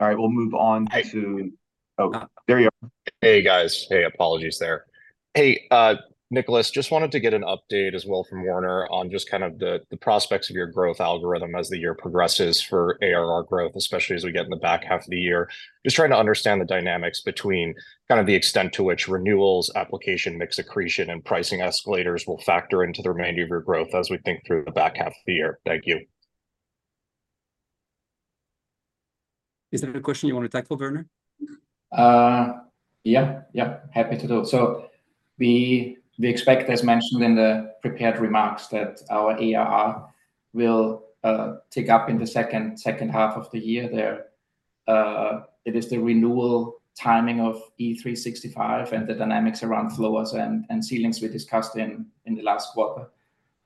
All right, we'll move on to- Hey. Oh, there we are. Hey, guys. Hey, apologies there. Hey, Nicholas, just wanted to get an update as well from Werner on just kind of the prospects of your growth algorithm as the year progresses for ARR growth, especially as we get in the back half of the year. Just trying to understand the dynamics between kind of the extent to which renewals, application mix accretion, and pricing escalators will factor into the remainder of your growth as we think through the back half of the year. Thank you. Is that a question you want to tackle, Werner? Yeah, yeah, happy to do it. So-... we expect, as mentioned in the prepared remarks, that our ARR will tick up in the second half of the year there. It is the renewal timing of E365 and the dynamics around floors and ceilings we discussed in the last quarter.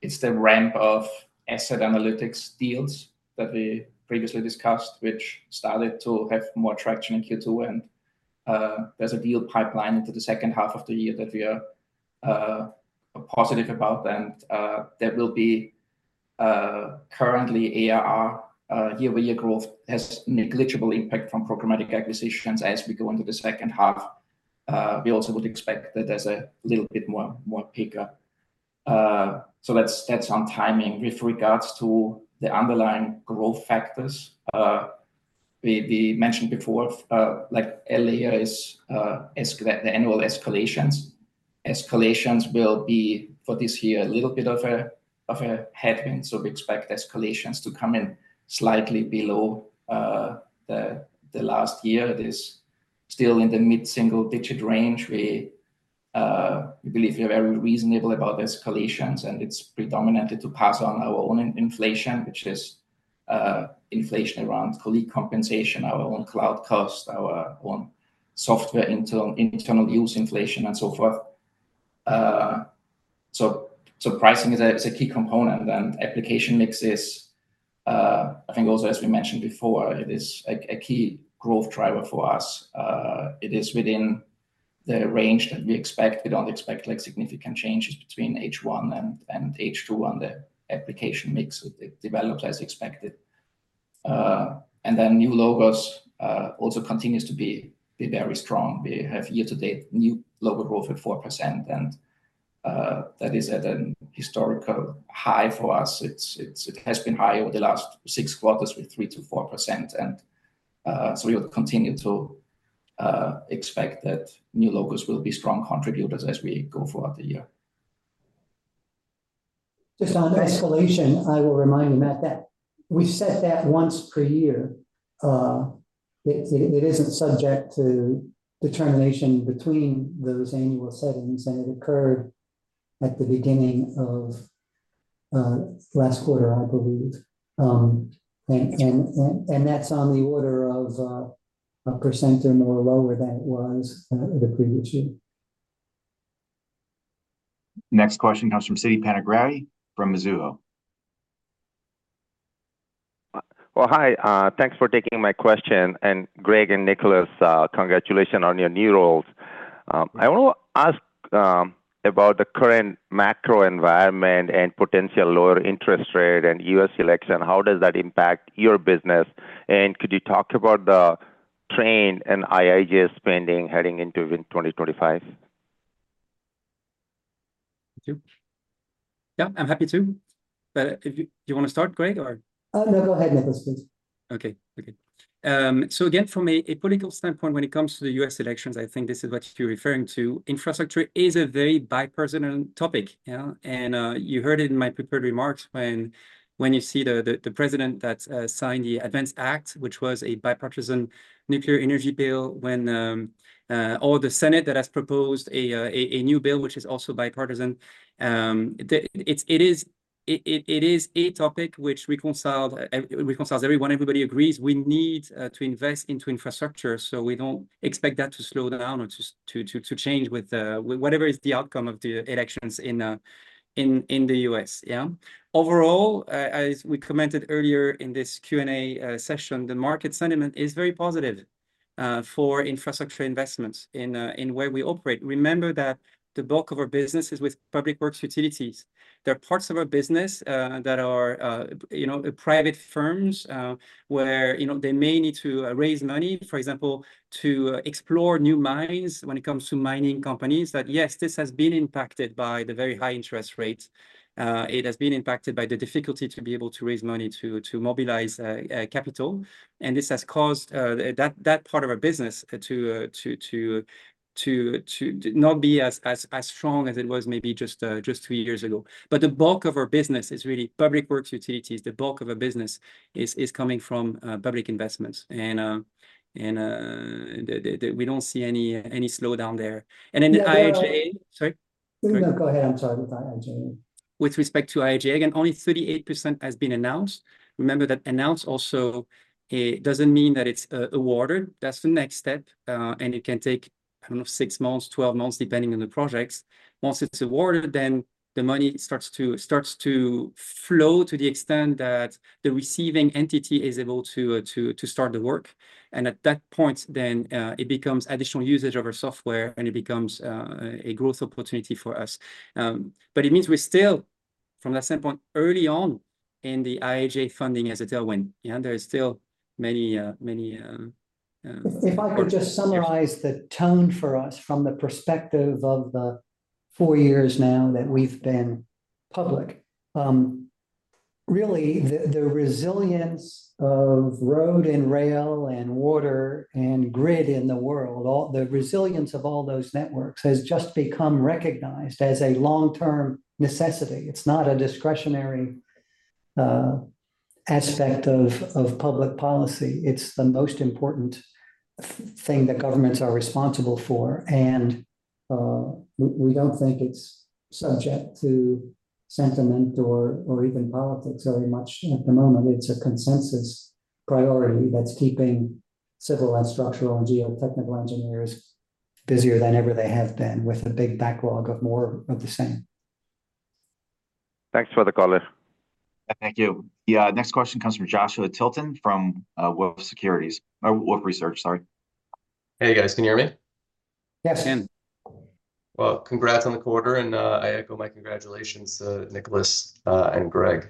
It's the ramp of asset analytics deals that we previously discussed, which started to have more traction in Q2. And there's a deal pipeline into the second half of the year that we are positive about, and that will be currently ARR. Year-over-year growth has negligible impact from programmatic acquisitions as we go into the second half. We also would expect that there's a little bit more pick-up. So that's on timing. With regards to the underlying growth factors, we, we mentioned before, like, ELA is the annual escalations. Escalations will be, for this year, a little bit of a, of a headwind, so we expect escalations to come in slightly below the, the last year. It is still in the mid-single-digit range. We, we believe we are very reasonable about escalations, and it's predominantly to pass on our own inflation, which is inflation around colleague compensation, our own cloud cost, our own software internal use inflation, and so forth. So, so pricing is a, is a key component, and application mix is... I think also, as we mentioned before, it is a, a key growth driver for us. It is within the range that we expect. We don't expect, like, significant changes between H1 and H2 on the application mix. It develops as expected. And then new logos also continues to be very strong. We have year-to-date new logo growth at 4%, and that is at an historical high for us. It's- it has been high over the last six quarters with 3%-4%, and so we'll continue to expect that new logos will be strong contributors as we go throughout the year. Just on escalation, I will remind you, Matt, that we set that once per year. It isn't subject to determination between those annual settings, and it occurred at the beginning of last quarter, I believe. And that's on the order of a percent or more lower than it was the previous year. Next question comes from Siti Panigrahi from Mizuho. Well, hi. Thanks for taking my question, and Greg and Nicholas, congratulations on your new roles. I want to ask about the current macro environment and potential lower interest rate and US election. How does that impact your business? And could you talk about the trend in IIJA spending heading into in 2025? Thank you. Yeah, I'm happy to. But if you... Do you wanna start, Greg, or? No, go ahead, Nicholas, please. Okay. Okay. So again, from a political standpoint, when it comes to the U.S. elections, I think this is what you're referring to. Infrastructure is a very bipartisan topic, yeah? You heard it in my prepared remarks when you see the president that signed the ADVANCE Act, which was a bipartisan nuclear energy bill, when or the Senate that has proposed a new bill, which is also bipartisan. It is a topic which reconciles everyone. Everybody agrees we need to invest into infrastructure, so we don't expect that to slow down or to change with whatever is the outcome of the elections in the U.S., yeah? Overall, as we commented earlier in this Q&A session, the market sentiment is very positive for infrastructure investments in where we operate. Remember that the bulk of our business is with public works utilities. There are parts of our business that are, you know, private firms, where, you know, they may need to raise money, for example, to explore new mines when it comes to mining companies, that, yes, this has been impacted by the very high interest rates. It has been impacted by the difficulty to be able to raise money to mobilize capital, and this has caused that part of our business to not be as strong as it was maybe just two years ago. But the bulk of our business is really public works utilities. The bulk of our business is coming from public investments, and we don't see any slowdown there. And in the IIJA- No, go ahead. I'm sorry. With IIJA. With respect to IIJA, again, only 38% has been announced. Remember that announced also doesn't mean that it's awarded. That's the next step, and it can take, I don't know, six months, 12 months, depending on the projects. Once it's awarded, then the money starts to flow to the extent that the receiving entity is able to start the work, and at that point, then it becomes additional usage of our software, and it becomes a growth opportunity for us. But it means we're still, from that standpoint, early on in the IIJA funding as a tailwind, and there is still many, many, If, if I could just summarize the tone for us from the perspective of the four years now that we've been public, really, the resilience of road and rail and water and grid in the world, the resilience of all those networks has just become recognized as a long-term necessity. It's not a discretionary aspect of public policy. It's the most important thing that governments are responsible for, and we don't think it's subject to sentiment or even politics very much at the moment. It's a consensus priority that's keeping civil and structural and geotechnical engineers busier than ever they have been, with a big backlog of more of the same. Thanks for the call, Liz. Thank you. Yeah, next question comes from Joshua Tilton from Wolfe Securities, Wolfe Research, sorry. Hey, guys, can you hear me? Yes. Well, congrats on the quarter, and, I echo my congratulations to Nicholas, and Greg.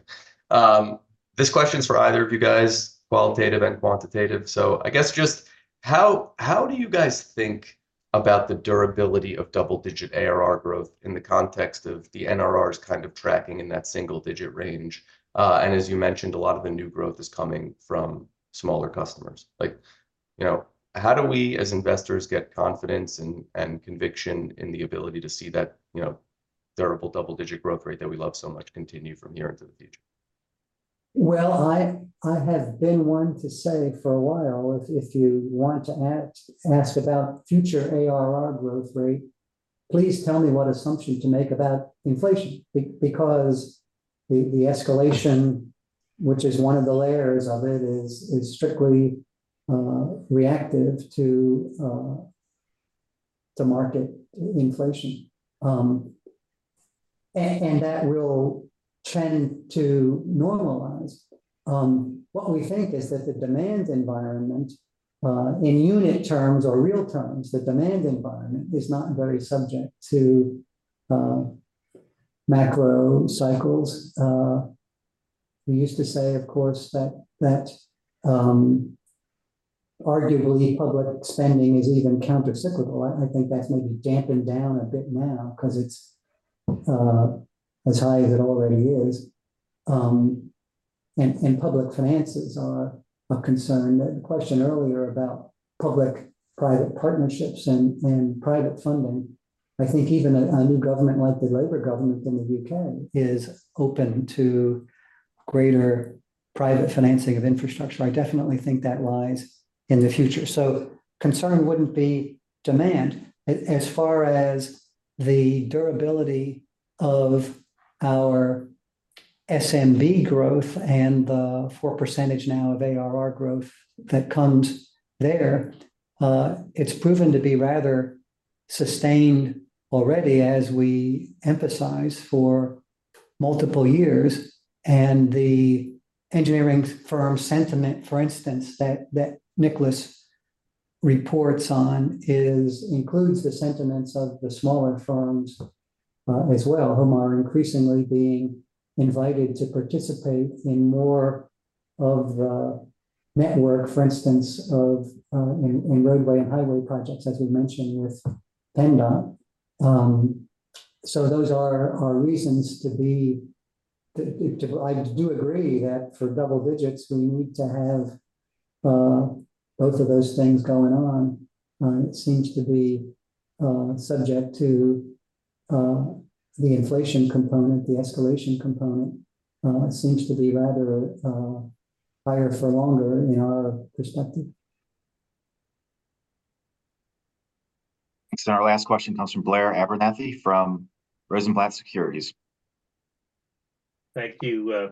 This question's for either of you guys, qualitative and quantitative. So I guess just how, how do you guys think about the durability of double-digit ARR growth in the context of the NRR's kind of tracking in that single-digit range? And as you mentioned, a lot of the new growth is coming from smaller customers. Like, you know, how do we, as investors, get confidence and conviction in the ability to see that, you know, durable double-digit growth rate that we love so much continue from here into the future? Well, I have been one to say for a while, if you want to ask about future ARR growth rate, please tell me what assumptions to make about inflation. Because the escalation, which is one of the layers of it, is strictly reactive to market inflation. And that will trend to normalize. What we think is that the demand environment, in unit terms or real terms, the demand environment is not very subject to macro cycles. We used to say, of course, that arguably public spending is even countercyclical. I think that's maybe dampened down a bit now, 'cause it's as high as it already is. And public finances are a concern. The question earlier about public-private partnerships and private funding, I think even a new government, like the Labour government in the U.K., is open to greater private financing of infrastructure. I definitely think that lies in the future. So concern wouldn't be demand. As far as the durability of our SMB growth and the 4% now of ARR growth that comes there, it's proven to be rather sustained already, as we emphasize, for multiple years. And the engineering firm sentiment, for instance, that Nicholas Cumins reports on, includes the sentiments of the smaller firms, as well, whom are increasingly being invited to participate in more of the network, for instance, in roadway and highway projects, as we mentioned with PennDOT. So those are reasons to be... To, I do agree that for double digits, we need to have both of those things going on. It seems to be subject to the inflation component. The escalation component seems to be rather higher for longer in our perspective. Thanks. Our last question comes from Blair Abernethy from Rosenblatt Securities. Thank you,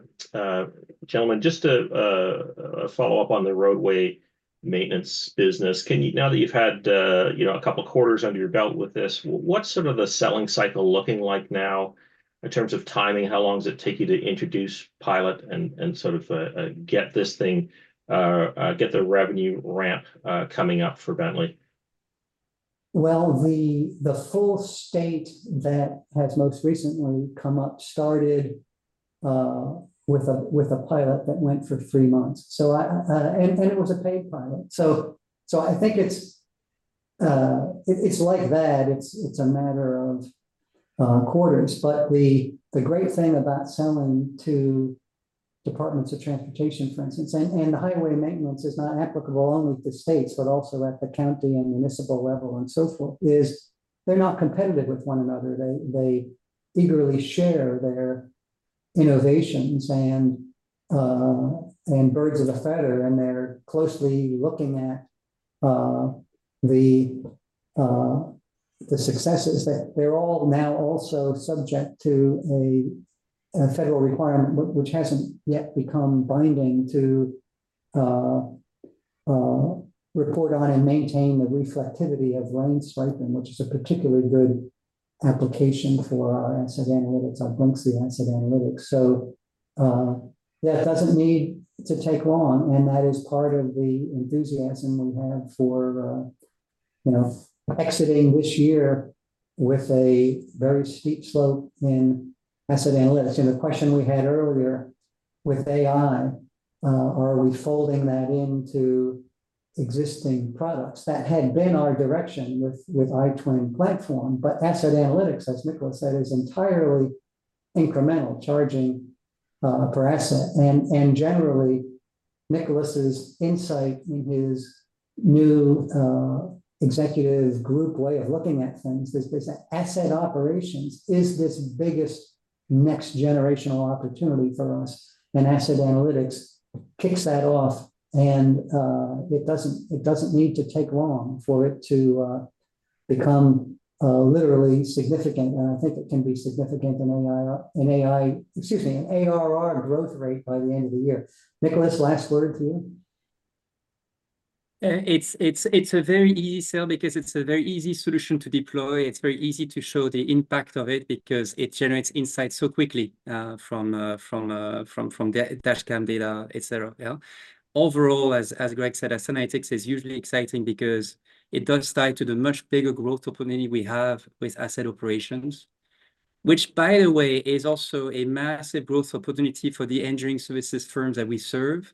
gentlemen. Just a follow-up on the roadway maintenance business. Can you— Now that you've had, you know, a couple quarters under your belt with this, what's sort of the selling cycle looking like now in terms of timing? How long does it take you to introduce Pilot and sort of get this thing, get the revenue ramp coming up for Bentley? Well, the full state that has most recently come up started with a pilot that went for three months. And it was a paid pilot. So I think it's like that. It's a matter of quarters. But the great thing about selling to departments of transportation, for instance, and the highway maintenance is not applicable only at the states, but also at the county and municipal level and so forth, is they're not competitive with one another. They eagerly share their innovations and birds of a feather, and they're closely looking at the successes. That they're all now also subject to a federal requirement, which hasn't yet become binding, to report on and maintain the reflectivity of lane striping, which is a particularly good application for our asset analytics, I think, the asset analytics. So, that doesn't need to take long, and that is part of the enthusiasm we have for, you know, exiting this year with a very steep slope in asset analytics. And the question we had earlier with AI, are we folding that into existing products? That had been our direction with iTwin platform, but asset analytics, as Nicholas said, is entirely incremental, charging per asset. Nicholas's insight in his new executive group way of looking at things is this asset operations is this biggest next generational opportunity for us, and asset analytics kicks that off. It doesn't need to take long for it to become literally significant, and I think it can be significant in AI, excuse me, in ARR growth rate by the end of the year. Nicholas, last word to you. It's a very easy sell because it's a very easy solution to deploy. It's very easy to show the impact of it because it generates insights so quickly from the dash cam data, et cetera, yeah. Overall, as Greg said, asset analytics is usually exciting because it does tie to the much bigger growth opportunity we have with asset operations. Which, by the way, is also a massive growth opportunity for the engineering services firms that we serve,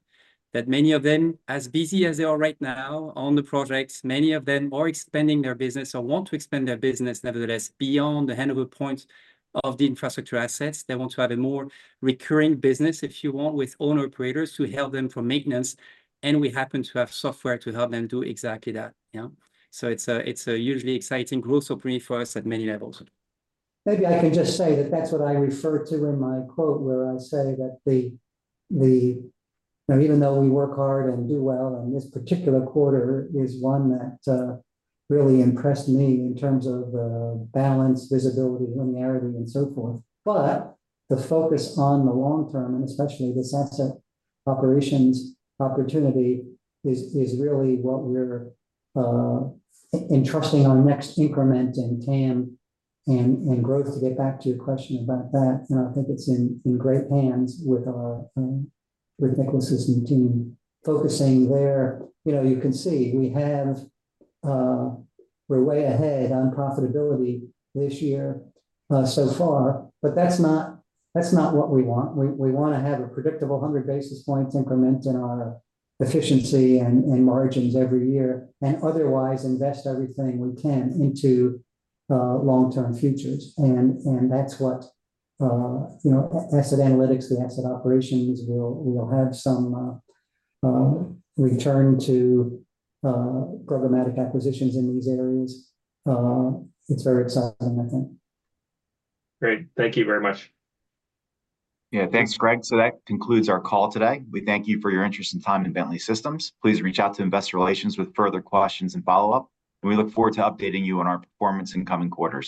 that many of them, as busy as they are right now on the projects, many of them are expanding their business or want to expand their business nevertheless, beyond the handover point of the infrastructure assets. They want to have a more recurring business, if you want, with owner-operators to help them for maintenance, and we happen to have software to help them do exactly that, yeah. So it's a, it's a hugely exciting growth opportunity for us at many levels. Maybe I can just say that that's what I referred to in my quote, where I say that the... You know, even though we work hard and do well, and this particular quarter is one that really impressed me in terms of balance, visibility, linearity, and so forth. But the focus on the long term, and especially this asset operations opportunity, is really what we're entrusting our next increment in TAM and growth, to get back to your question about that. And I think it's in great hands with Nicholas's team focusing there. You know, you can see we're way ahead on profitability this year, so far, but that's not what we want. We wanna have a predictable 100 basis points increment in our efficiency and margins every year, and otherwise invest everything we can into long-term futures. And that's what you know, asset analytics, the asset operations will have some return to programmatic acquisitions in these areas. It's very exciting, I think. Great. Thank you very much. Yeah. Thanks, Greg. So that concludes our call today. We thank you for your interest and time in Bentley Systems. Please reach out to Investor Relations with further questions and follow-up, and we look forward to updating you on our performance in coming quarters.